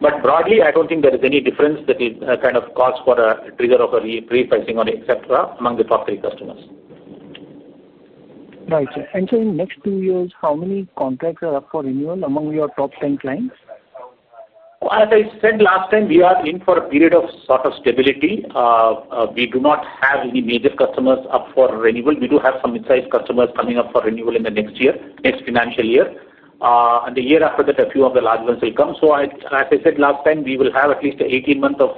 but broadly I don't think there is any difference that is kind of cause for a trigger of a repricing or etc. among the top three customers. Right. In the next two years, how many contracts are up for renewal among your top 10 clients? As I said last time, we are in for a period of sort of stability. We do not have any major customers up for renewal. We do have some mid-sized customers coming up for renewal in the next year, next financial year, and the year after that. A few of the large ones will come. As I said last time, we will have at least 18 months of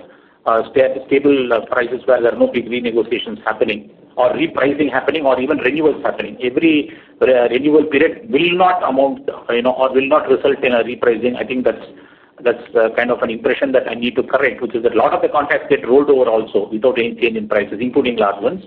stable where there are no big renegotiations happening, repricing happening, or even renewals happening. Every renewal period will not amount or will not result in a repricing. I think that's kind of an impression that I need to correct, which is that a lot of the contracts get rolled over also without any change in prices, including large ones.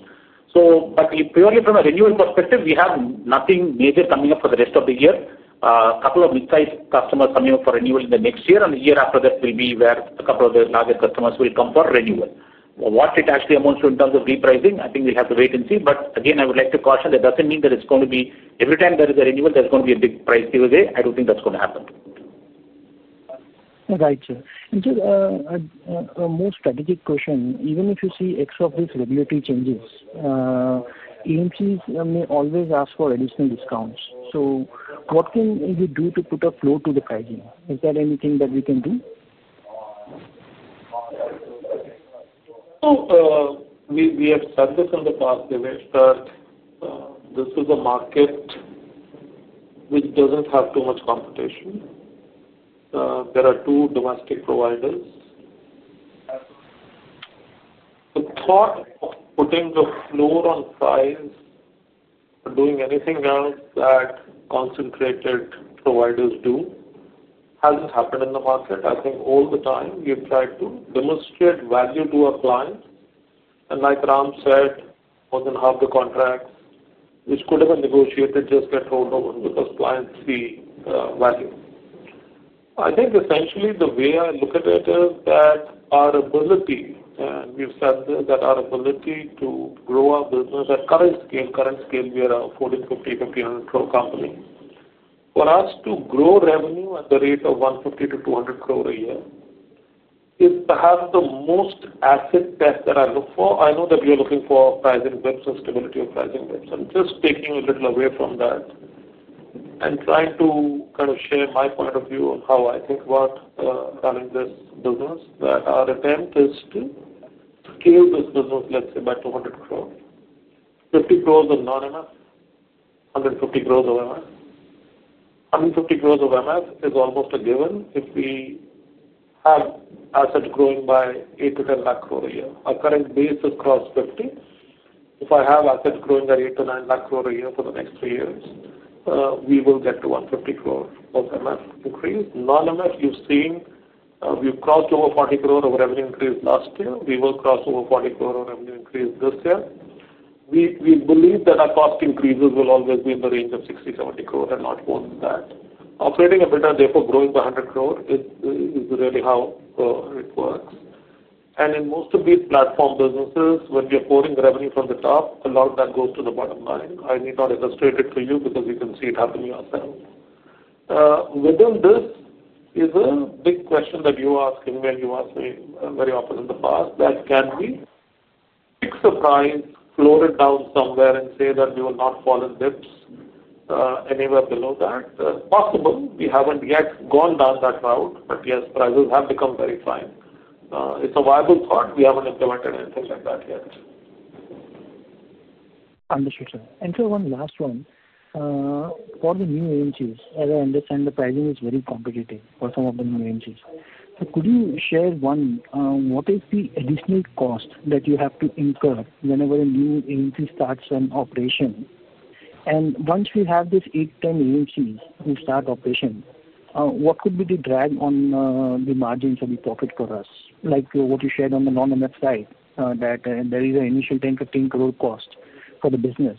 Purely from a renewal perspective, we have nothing major coming up for the. Rest of the year. A couple of mid sized customers coming up for renewal in the next year and year after that will be where a couple of the larger customers will come for renewal. What it actually amounts to in terms of repricing, I think we have to wait and see. I would like to caution that doesn't mean that it's going to be. Every time there is a renewal there's going to be a big price giveaway. I don't think that's going to happen. Right sir. A more strategic question. Even if you see X of these regulatory changes, AMCs may always ask for additional discounts. What can we do to put a floor to the pricing? Is there anything that we can do? We have said this in the past, Devesh, that this is a market which doesn't have too much competition. There are 2 domestic providers. The thought of putting the floor on size, doing anything else that concentrated providers do, hasn't happened in the market. I think all the time we've tried to demonstrate value to our clients, and like Ram said, more than half the contracts which could have been negotiated just get rolled over because clients see value. I think essentially the way I look at it is that our ability, we've said that our ability to grow our business at current scale, current scale we are a 1,450 crore, 1,500 crore company. For us to grow revenue at the rate of 150 crore-200 crore a year is perhaps the most acid test that I look for. I know that we are looking for pricing bps and stability of pricing bps. I'm just taking a little away from that and trying to share my point of view, how I think about running this business. Our attempt is to scale this business, let's say by 200 crore, 50 crore of non MF, 150 crore of MF. 150 crore of MF is almost a given. If we have assets growing by 8 lakh-10 lakh a year at current basis, cross 50. If I have assets growing at 8 lakh-9 lakh a year for the next three years, we will get to 150 crore of mutual fund increase. Non MF. You've seen we've crossed over 40 crore of revenue increase last year. We will cross over 40 crore of revenue increase this year. We believe that our cost increases will always be in the range of 60 crore-70 crore and not more than that. Operating EBITDA therefore growing by 100 crore is really how it works. In most of these platforms, when we are pouring revenue from the top, a lot of that goes to the bottom line. I need not illustrate it to you because you can see it happening ourselves within. This is a big question that you are asking when you asked me very often in the past that can we fix a price, float it down somewhere and say that we will not fall in dips anywhere below that possible. We haven't yet gone down that route. Yes, prices have become very fine. It's a viable thought. We haven't implemented anything like that yet. Understood, sir. One last one for the new agencies. As I understand, the pricing is very competitive for some of the new agencies. Could you share, one, what is the additional cost that you have to incur whenever a new agency starts an operation? Once we have these 8-10 AMCs who start operation, what could be the drag on the margins of the profit for us? Like what you shared on the non-mutual fund side, that there is an initial 10 crore-15 crore cost for the business.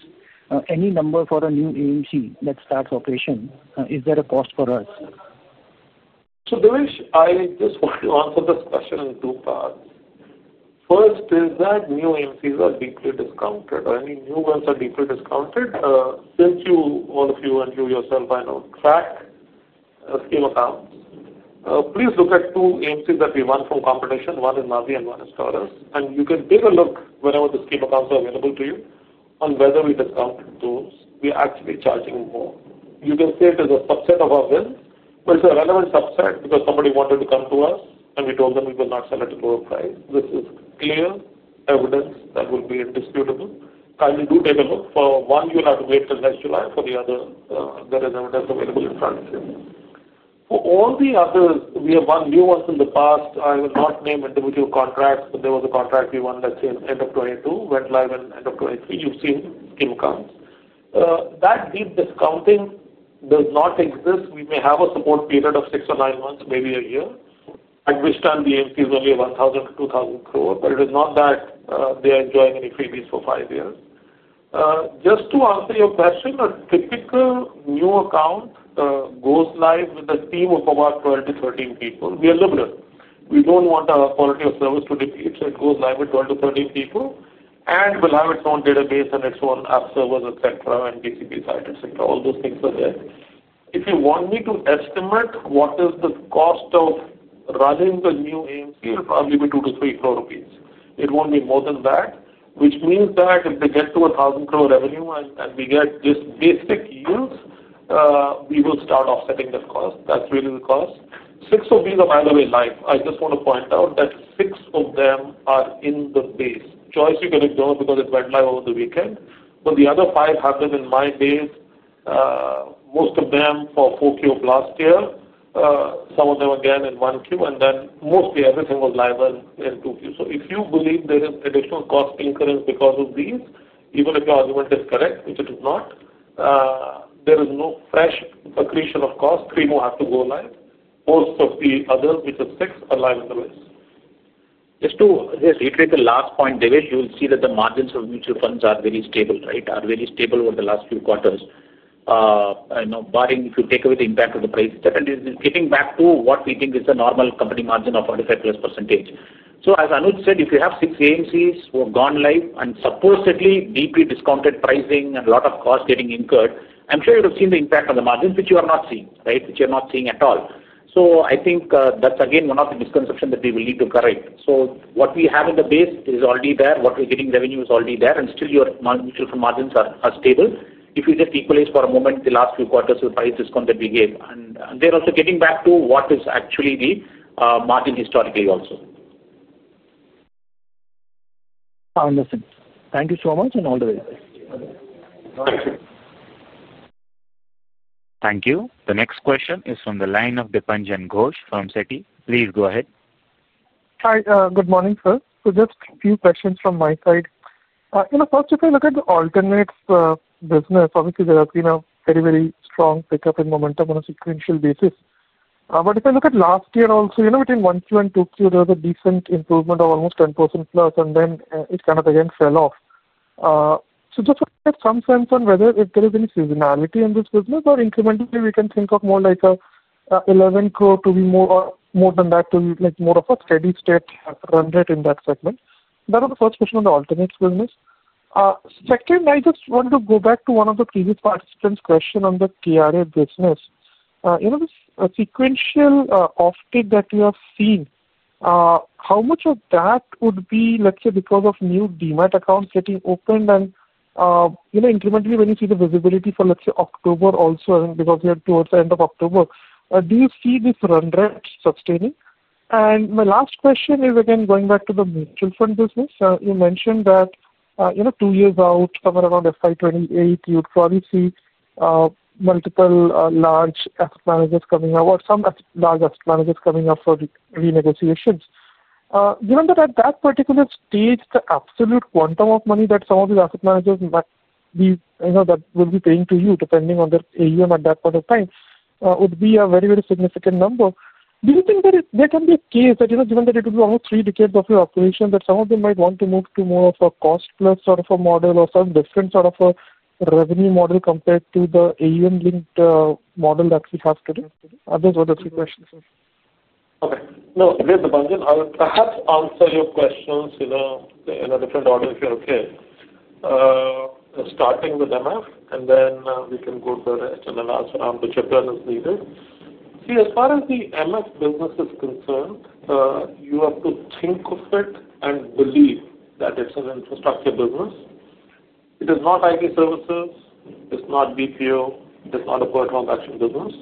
Any number for a new AMC that starts operation, is there a cost for us? I just want to answer this question in two parts. First is that new AMCs are deeply discounted or any new new ones are default discounted. Since you, all of you and you yourself, I know track scheme accounts. Please look at two AMCs that we won from competition. One is Navi and one is Taurus. You can take a look whenever the scheme accounts are available to you on whether we discounted those. We are actually charging more. You can say it is a subset of our wins but it is a relevant subset because somebody wanted to come to us and we told them we will not sell at a lower price. This is clear evidence that will be indisputable. Kindly do take a look. For one you will have to wait till next July. For the other there is evidence available. In front of you. For all the others, we have won new ones in the past. I will not name individual contracts, but there was a contract we won, let's say in end of 2022, went live in end of 2023. You've seen skim counts that deep discounting does not exist. We may have a support period of six or nine months, maybe a year, at which time the AUM is only 1,000 crore-2,000 crore. It is not that they are enjoying any freebies for five years. Just to answer your question, a typical new account goes live with a team of about 12 people-13 people. We are liberal. We don't want our quality of service to repeat. It goes live with 12 people-30 people and will have its own database and its own app servers, etc., and TCP side, etc. All those things are there. If you want me to estimate what is the cost of running the new AMC, it will probably be 2 crore-3 crore rupees, it won't be more than that. Which means that if they get to 1,000 crore revenue and we get just basic yields, we will start offsetting that cost. That's really the cost. Six of these are, by the way, live. I just want to point out that six of them are in the base. Choice you can include because it went live over the weekend, but the other five happened in my base, most of them for 4Q of last year, some of them again in 1Q, and then mostly everything was live in 2Q. If you believe there is additional cost incurrence because of these, even if your argument is correct, which it is not, there is no fresh accretion of cost. Three more have to go live post. Of the others, which are six aligned. Just to reiterate the last point, Devesh, you will see that the margins of mutual funds are very stable, right, are very stable over the last few quarters barring if you take away the impact of the price. Second is getting back to what we think is the normal company margin of 45+%. As Anuj said, if you have six AMCs who have gone live and supposedly deeply discounted pricing and a lot of cost getting incurred, I'm sure you would have seen the impact on the margins, which you are not seeing, right? Which you're not seeing at all. I think that's again one of the misconceptions that we will need to correct. What we have in the base is already there, what we're getting revenue is already there, and still your mutual fund margins are stable. If you just equalize for a moment the last few quarters, the price discount that we gave, they're also getting back to what is actually the margin historically also. Thank you so much, all the best. Thank you. The next question is from the line of Dipanjan Ghosh from Citi. Please go ahead. Hi, good morning sir. Just a few questions from my side. If I look at the alternatives business, obviously there has been a very, very strong pickup in momentum. On a sequential basis. If I look at last year also, you know between 1Q and 2Q there was a decent improvement of almost 10%+, and then it kind of again fell off. Just get some sense on whether. Is there any seasonality in this? Business or incrementally we can think of more like 11 crore to be more than that, to like more of a steady state run rate in that segment. That was the first question on the alternates business. Second, I just want to go back to one of the previous participants' questions on the KRA business, you know, sequential offtake that you have seen, how much of that would be, let's say, because of new demat accounts getting opened and incrementally? When you see the visibility for, let's say, October also because we are towards the end of October, do you see this run rate sustaining? My last question is again going back to the mutual fund business. You mentioned that two years out, somewhere around FY 2028, you would probably see multiple large asset managers coming up or some large asset managers coming up for renegotiations, given that at that particular stage the absolute quantum of money that some of the asset managers might be, you know, that will be paying to you depending on their AUM at that point of time would be a very, very significant number. Do you think that there can be a case that, you know, given that it will be almost three decades of your operation, that some of them might want to move to more of a cost plus sort of a model or some different sort of a revenue model compared to the AUM linked model that we have today? Those were the three questions. Okay, no, I would perhaps answer your questions in a different order if you're okay, starting with MF and then we can go to the HTML rambutan as needed. See, as far as the MF business is concerned, you have to think of it and believe that it's an investment infrastructure business. It is not IT services, it's not BPO, it is not a per transaction business.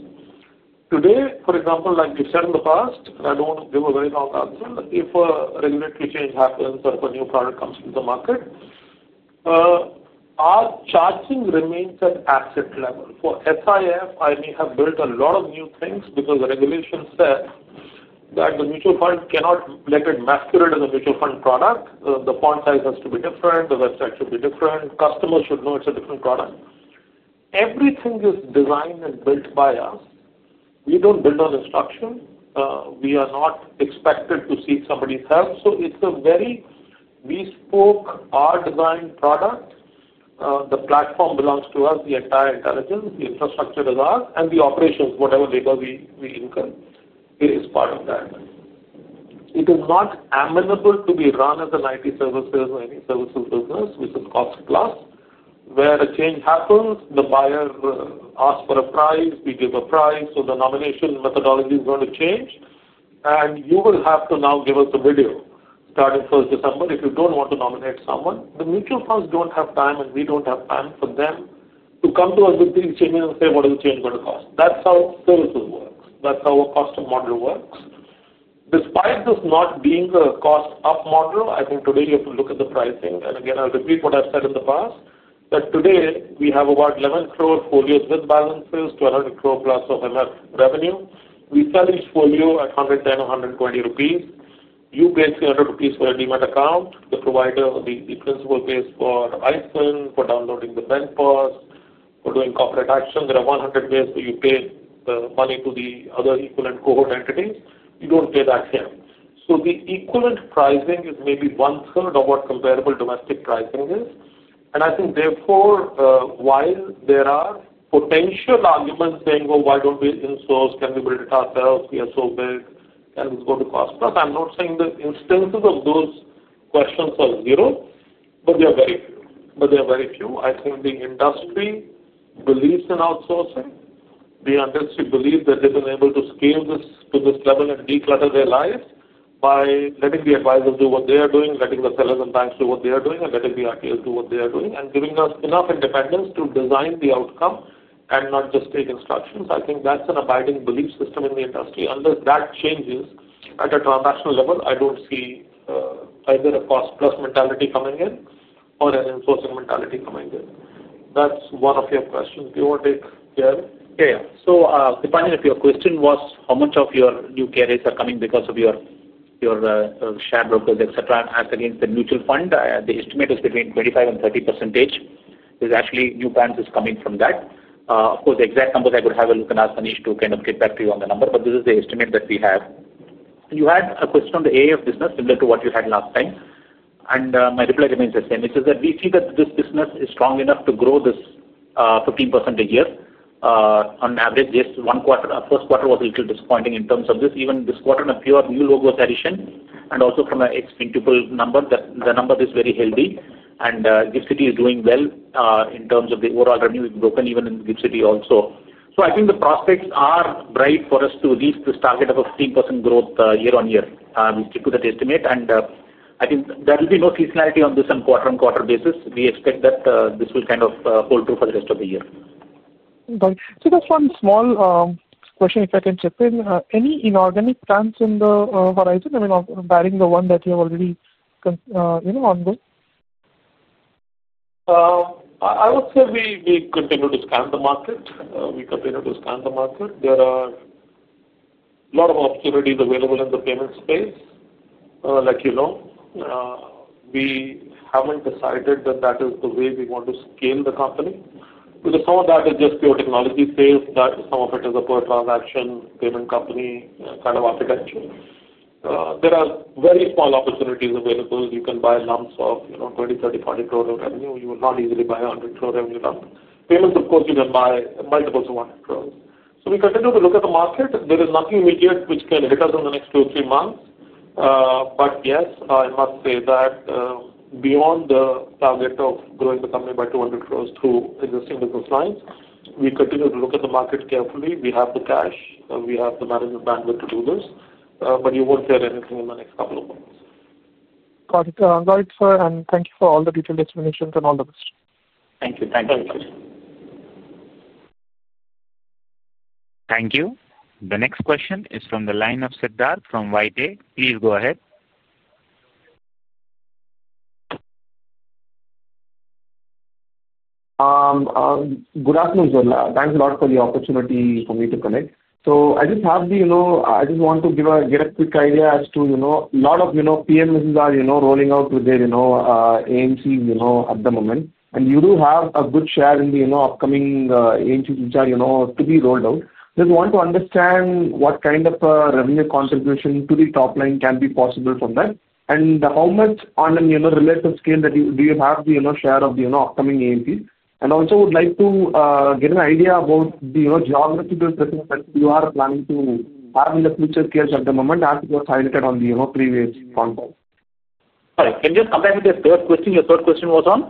Today, for example, like we said in the past, I don't give a very long answer. If a regulatory change happens or if a new product comes to the market, our charging remains at asset level. For SIF, I may have built a lot of new things because the regulation says that the new mutual fund cannot let it masquerade as a mutual fund product. The font size has to be different, the website should be different, customers should know it's a different product. Everything is designed and built by us. We don't build on instruction. We are not expected to seek somebody's help. It's a very bespoke, our design product, the platform belongs to us. The entire intelligence, the infrastructure is ours and the operations, whatever labor we incur is part of that. It is not amenable to be run as an IT services or any services. Business, which is cost plus. Where a change happens, the buyer asks for a price, we give a price. The nomination methodology is going to change and you will have to now give us a video starting 1st December if you don't want to nominate someone. The mutual funds don't have time and we don't have time for them to come to us with these changes and say what is the change going to cost? That's how services work. That's how a cost of model works. Despite this not being a cost up model, I think today you have to look at the pricing and again I'll repeat what I've said in the past that today we have about 11 crore folios with balances, 100 crore+ of MF revenue. We sell each folio at 110-120 rupees. You basically, for a demat account, the provider, the principal pays for ISIN, for downloading the benpass, for doing corporate action. There are 100 ways so you pay money to the other equivalent cohort entities. You don't pay that here. The equivalent pricing is maybe one third of what comparable domestic pricing is. I think therefore while there are potential arguments saying why don't we insource, can we build it, we are so big and go to cost plus. I'm not saying the instances of those questions are zero, but they are very few. I think the industry believes in outsourcing. The industry believes that they have been able to scale this to this level and declutter their lives by letting the advisors do what they are doing, letting the sellers and banks do what they are doing, and letting the RTAs do what they are doing and giving us enough independence to design the outcome and not just take instructions. I think that's an abiding belief system in the industry. Unless that changes at a transactional level. I don't see either a cost plus mentality coming in or an enforcement mentality coming in. That's one of your questions. Do you want to take it? If your question was how much of your new carriers are coming because of your share brokers etc. as against the mutual fund, the estimate is between 25% and 30%. There's actually new PANs coming from that. Of course, the exact numbers, I would have asked Anish to kind of get back to you on the number, but this is the estimate that we have. You had a question on the AIF business similar to what you had last time, and my reply remains the same, which is that we see that this business is strong enough to grow this 15% a year on average. This one quarter, first quarter, was a little disappointing in terms of this. Even this quarter appears, of new logos, addition and also from an ex principal number. The number is very healthy, and GIFT City is doing well in terms of the overall revenue, is broken even in Gift City also. I think the prospects are bright for us to reach this target of a 15% growth year-on-year. We stick to that estimate, and I think there will be no seasonality on this. On quarter-on-quarter basis, we expect that this will kind of hold true for the rest of the year. One small question. If I can chip in, any inorganic plans in the horizon, I mean barring the one that you have already ongoing. I would say we continue to scan the market. We continue to scan the market. There are a lot of opportunities available in the payment space. Like you know, we haven't decided that that is going the way we want to scale the company because some of that is just pure technology sales. Some of it is a per transaction payment company kind of architecture. There are very small opportunities available. You can buy lumps of 20 crore, 30 crore, 40 crore of revenue. You will not easily buy 100 crore revenue lump payments. Of course, you can buy multiples of 100 crore. We continue to look at the market. There is nothing immediate which can hit us in the next two or three months. Yes, I must say that beyond the target of growing the company by 200 crore through existing business lines, we continue to look at the market carefully. We have the cash, we have the management bandwidth to do this, but you won't get anything in the next couple of months. Got it right, sir. Thank you for all the detailed explanations and all the best. Thank you. Thank you. Thank you. The next question is from the line of Siddharth from White Oak. Please go ahead. Good afternoon. Thanks a lot for the opportunity for me to connect. I just want to get a quick idea as to, you know, a lot of PMS are, you know, rolling out with their, you know. AMC, you know, at the moment. You do have a good share in. The upcoming AMC which are to be rolled out. Just want to understand what kind of. Revenue contribution to the top line can. Be possible from that and how much on a relative scale that do you have the share of the upcoming AMC and also would like to get an idea about the geographical business that you are planning to have in the future as at the moment as was highlighted on the previous. All right, can you just come back with your third question? Your third question was on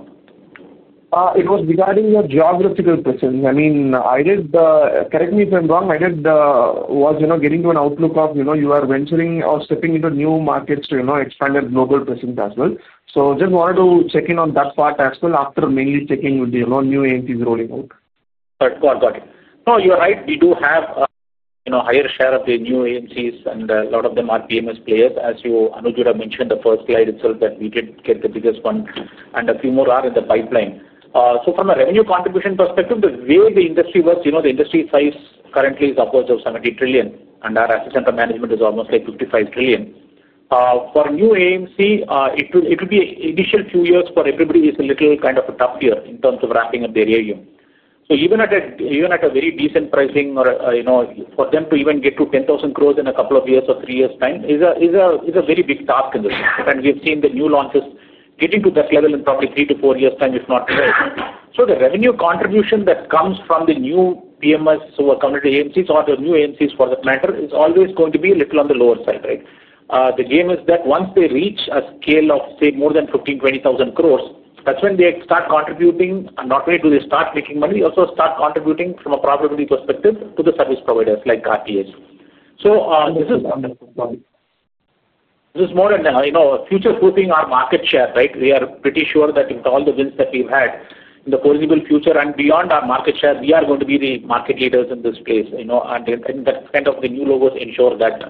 it. Regarding your geographical presence, I mean, correct me if I'm wrong, I was getting to an outlook of, you know, you are venturing or stepping into new markets to expand global presence as well. Just wanted to check in on that part as well, after mainly checking with the new AMCs rolling out. No, you're right, we do have, you know, higher share of the new AMCs and a lot of them are PMS players. As Anuj mentioned, the first slide itself that we did get the biggest one and a few more are in the pipeline. From a revenue contribution perspective, the way the industry works, the industry size currently is upwards of 70 trillion and our asset under management is almost like 55 trillion. For new AMC it will be initial. Few years for everybody is a little. Kind of a tough year in terms of wrapping up their AUM. Even at a very decent pricing or for them to even get to 10,000 crore in a couple of years or three years' time is a very big task in the sector. We have seen the new launches getting to that level in probably three to four years' time, if not. The revenue contribution that comes from the new PMS who are coming to AMCs or the new AMCs for that matter is always going to be a little on the lower side. The game is that once they reach a scale of say more than 15,000 crore or 20,000 crore, that's when they start contributing. Not only do they start making money, we also start contributing from a probability perspective to the service providers like RTA. So. This is more on future footing our market share. Right? We are pretty sure that with all the wins that we've had in the foreseeable future and beyond, our market share, we are going to be the market leaders in this place. That kind of the new logos ensure that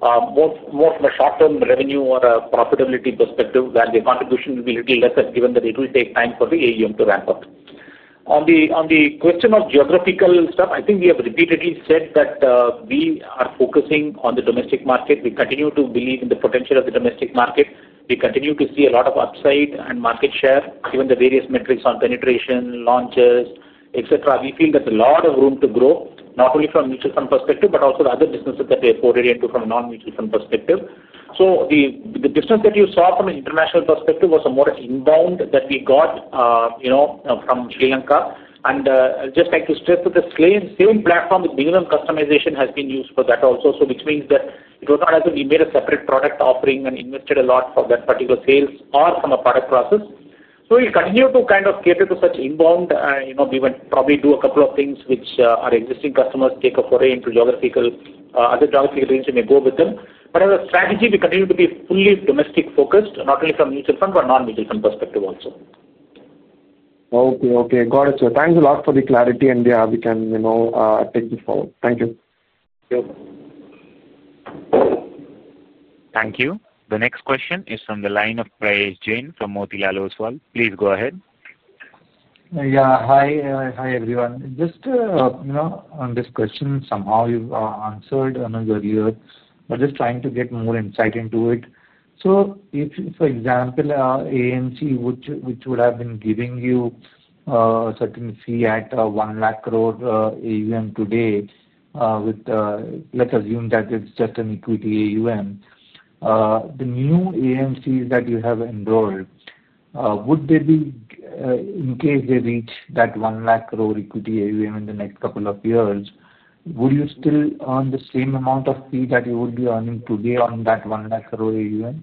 more from a short-term revenue or a profitability perspective, the contribution will be little lesser given they take time for the AUM to ramp up. On the question of geographical stuff, I think we have repeatedly said that we are focusing on the domestic market. We continue to believe in the potential of the domestic market. We continue to see a lot of upside and market share given the various metrics on penetration, launches, etc. We feel that a lot of room to grow not only from mutual fund perspective but also the other businesses that we have ported into from a non-mutual fund perspective. So. The business that you saw from an international perspective was more of an inbound that we got from Sri Lanka, and I'd just like to stress that the same platform with minimum customization has been used for that also. This means that it was not as if we made a separate product offering and invested a lot for that particular sales or from a product process. We continue to kind of cater to such inbound. We would probably do a couple of things which our existing customers take from a geographical, other geographical range, you may go with them. As a strategy, we continue to be fully domestic focused, not only from mutual fund but non-mutual fund perspective also. Okay. Okay, got it. Thanks a lot for the clarity. Yeah, we can, you know, take this forward. Thank you. Thank you. The next question is from the line of Prayesh Jain from Motilal Oswal. Please go ahead. Yeah. Hi. Hi everyone. Just on this question, you answered another year but just trying to get more insight into it. If, for example, an AMC which would have been giving you a certain fee at 1 lakh crore AUM today, let's assume that it's just an equity AUM. The new AMCs that you have enrolled, would they be, in case they reach that 1 lakh crore equity AUM in the next couple. Of years, would you still earn the. Same amount of fee that you would be earning today on that 1 lakh crore AUM?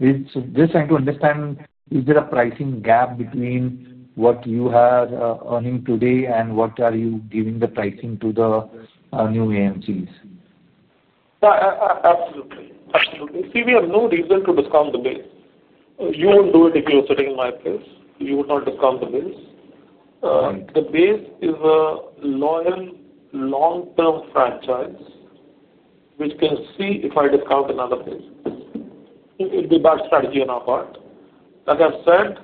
Just trying to understand, is there a. Pricing gap between what you are earning today and what are you giving the pricing to the new AMCs? Absolutely. See, we have no reason to discount the base. You won't do it. If you are sitting in my place, you would not discount the base. The base is a loyal long-term franchise which can see if I discount another base it would be bad strategy on our part. Like I've said,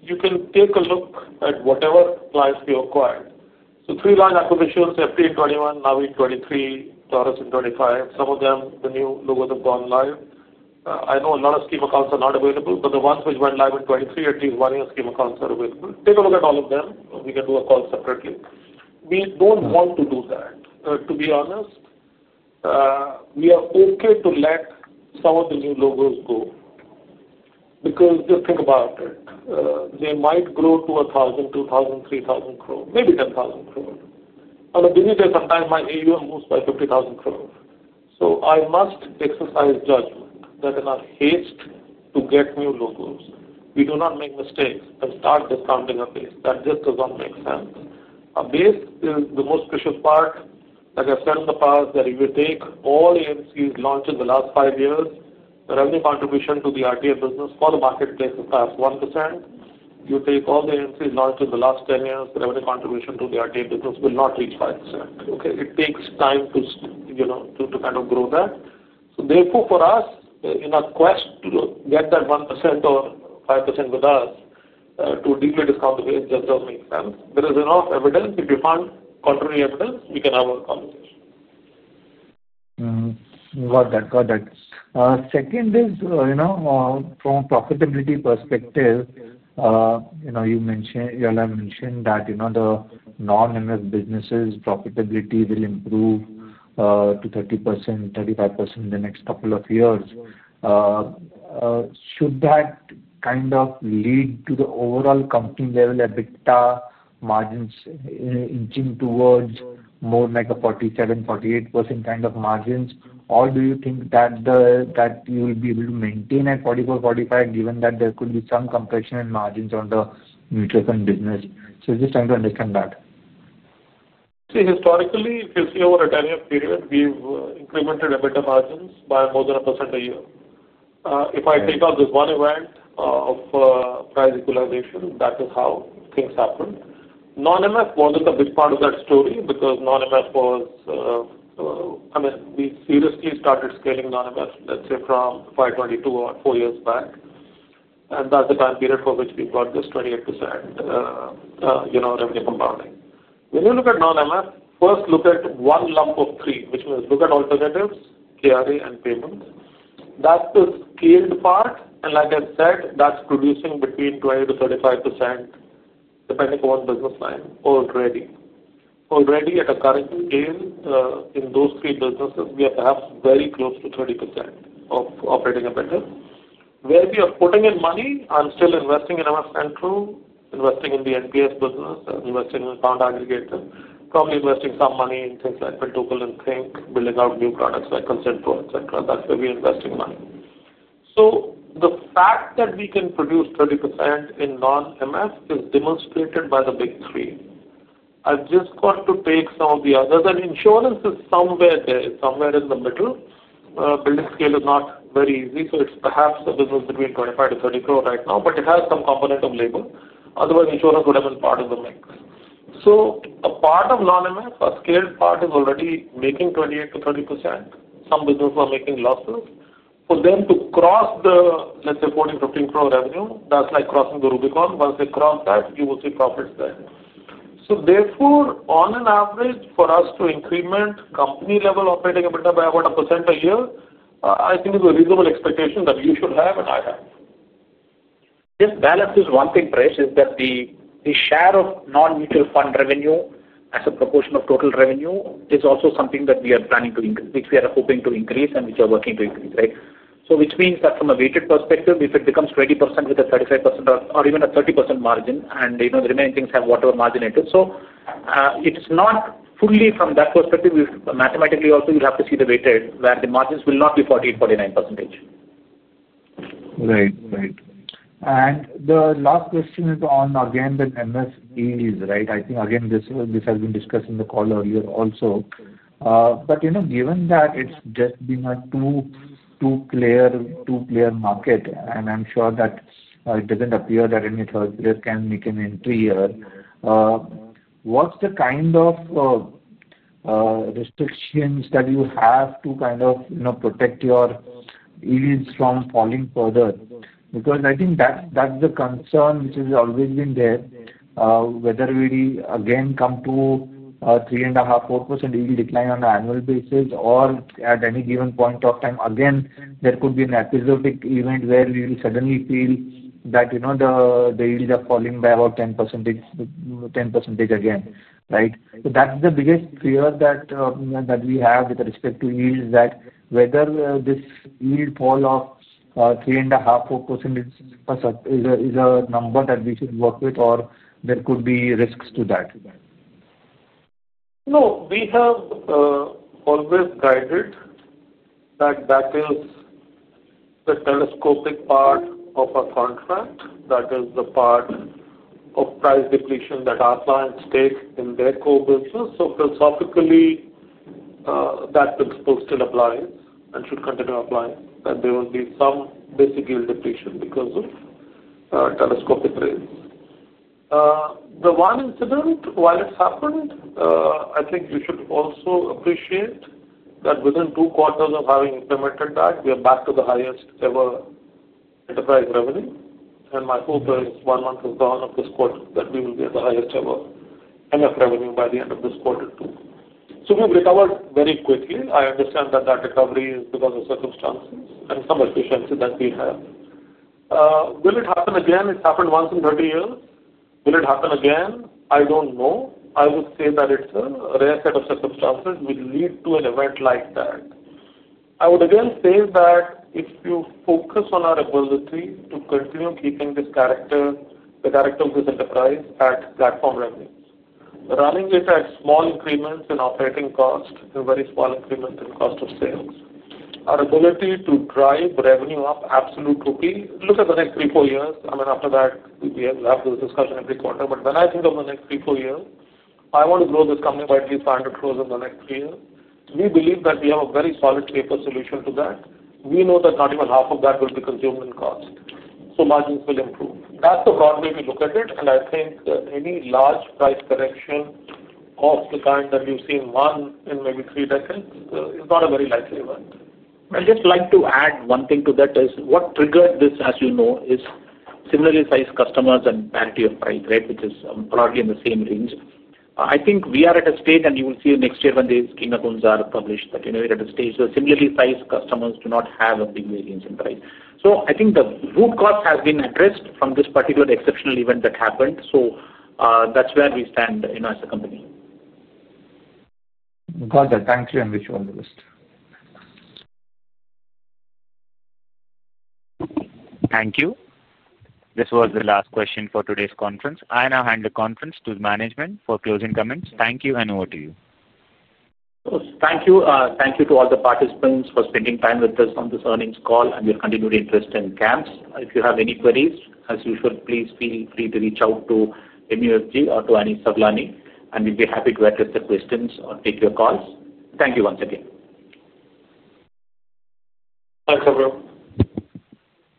you can take a look at whatever clients we acquired. Three line acquisitions, 2015, 2021, now in 2023, Taurus in 2025, some of them, the new logos have gone live. I know a lot of schema calls are not available, but the ones which went live in 2023, at least one year schema cons are available. Take a look at all of them. We can do a call separately. We don't want to do that, to be honest. We are okay to let some of the new logos go because just think about it, they might grow to 1,000 crore, 2,000 crore, 3,000 crore, maybe 10,000 crore. On a busy day sometimes my AUM moves by 50,000 crore. I must exercise judgment that in our haste to get new logos, we do not make mistakes and start discounting a base. That just does not make sense. A base is the most special part as I've said in the past that if you take all AMCs launched in the last five years, the revenue contribution to the RTA business for the marketplace is past 1%. You take all the AMC knowledge in the last 10 years, the revenue contribution to the RTA business will not reach 5%. It takes time to, you know, to kind of grow that. Therefore, for us in our quest to get that 1% or 5% with us to deal with, discount the base just doesn't make sense. There is enough evidence, if you find contrary evidence we can have a conversation. Got that, got that. Second is, from profitability perspective, you mentioned that the non-MF business's profitability will improve to 30%, 35% in the next couple of years. Should that kind of lead to the overall company level EBITDA margins inching towards more like a 47%, 48% kind of margins, or do you think that you will be able to maintain. At 44%, 45%, given that there could. be some compression in margins on the mutual fund business. Just trying to understand that. See, historically if you see over a 10-year period, we've incremented EBITDA margins by more than 1% a year. If I take out this one event of price equalization, that is how things happen. Non-MF bond is a big part of that story because non-MF bond was, I mean, we seriously started scaling non-MF, let's say from 2022 or four years back, and that's the time period for which we got this 28% revenue compounding. When you look at non-MF, first look at one lump of three, which means look at alternatives, KRA, and payments. That's the scaled part, and like I said, that's producing between 20%-35% depending on business line. Already at a current gain in those three businesses, we are perhaps very close to 30% of operating appendix where we are putting in money and still investing in our central, investing in the NPS business, investing in fund aggregator, probably investing some money in things like printable, and building out new products like ConsenPro, etc. That's where we're investing money. The fact that we can produce 30% in non-MF is demonstrated by the big three. I've just got to take some of the others, and insurance is somewhere there, somewhere in the middle. Building scale is not very easy. It's perhaps a business between 25 crore. To 30 crore right now, but it. Has some component of labor. Otherwise, insurance would have been part of the mix. A part of non-MF, a scaled part, is already making 28%-30%. Some businesses are making losses. For them to cross the, let's say, 14 crore-15 crore revenue, that's like crossing the Rubicon. Once they cross that, you will see profits there. Therefore, on an average, for us to increment company-level operating EBITDA by about a percent a year, I think is a reasonable expectation that you should have an IR. This balance is one thing. Fresh is that the share of non-mutual fund revenue as a proportion of total revenue is also something that we are planning to, which we are hoping to increase and which we are working to increase. Right. Which means that from a weighted perspective, if it becomes 20% with a 35% or even a 30% margin, and the remaining things have whatever margin it is, it's not fully from that perspective mathematically. Also, you have to see the weighted where the margins will not be 40%, 49%. Right, right. The last question is on again the MF is right. I think this has been discussed in the call earlier also. Given that it's just. Been a two-player, two-player. Market and I'm sure that it doesn't appear that any third place can make an entry here. What's the kind of restrictions that you have to, you know, protect your elites from falling further? Because I think that that's the concern which has always been there. Whether we again come to 3.5%, 4% yield decline on an annual basis or at any given point of time, again there could be an. Episodic event where we will suddenly feel. That, you know, the yields are falling by about 10%, 10% again. Right. That's the biggest fear that we have with respect to yield, that whether this yield fall of 3.5-4% is a number that. We should work with or there could be risks to that. No, we have always guided that that is the telescopic part of a contract. That is the part of price depletion that our clients take in their core business. Philosophically, that principle still applies and should continue applying. There will be some basic yield depletion because of telescopic rails, the one incident while it's happened. I think you should also appreciate that within two quarters of having implemented that, we are back to the highest ever enterprise revenue, and my hope is one month is gone of this quarter that we will be at the highest ever enough revenue by the end of this quarter too. We've recovered very quickly. I understand that that recovery is because of circumstances and some efficiency that we have. Will it happen again? It happened once in 30 years. Will it happen again? I don't know. I would say that it's a rare set of circumstances which lead to an event like that. I would again say that if you focus on our ability to continue keeping this character, the character of this enterprise at platform revenue, running it at small increments in operating cost and very small increment in cost of sales, our ability to drive revenue up absolute rupees. Look at the next three, four years. I mean, after that we have this discussion every quarter. When I think of the next three, four years, I want to grow this company by deep fast in the next year. We believe that we have a very solid paper solution to that. We know that not even half of that will be consumed in cost, so margins will improve. That's the broad way we look at it. I think any large price correction of the kind that you've seen one in maybe three decades is not a very likely one. I'd just like to add one thing to that. What triggered this, as you know, is similarly sized customers and parity of which is probably in the same range. I think we are at a stage, and you will see next year when these schema tools are published, that at a stage the similarly sized customers do not have a big variance in price. I think the root cause has been addressed from this particular exceptional event that happened. That's where we stand as a company. Got that. Thank you and wish you all the best. Thank you. This was the last question for today's conference. I now hand the conference to the management for closing comments. Thank you, and over to you. Thank you. Thank you to all the participants for spending time with us on this earnings call and your continued interest in CAMS. If you have any queries as usual, please feel free to reach out to MUFG or to Anish Sawlani and we'd be happy to address the questions or take your calls. Thank you. Thanks everyone.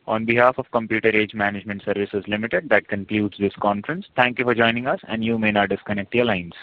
On behalf of Computer Age Management Services Limited, that concludes this conference. Thank you for joining us, and you may now disconnect your lines.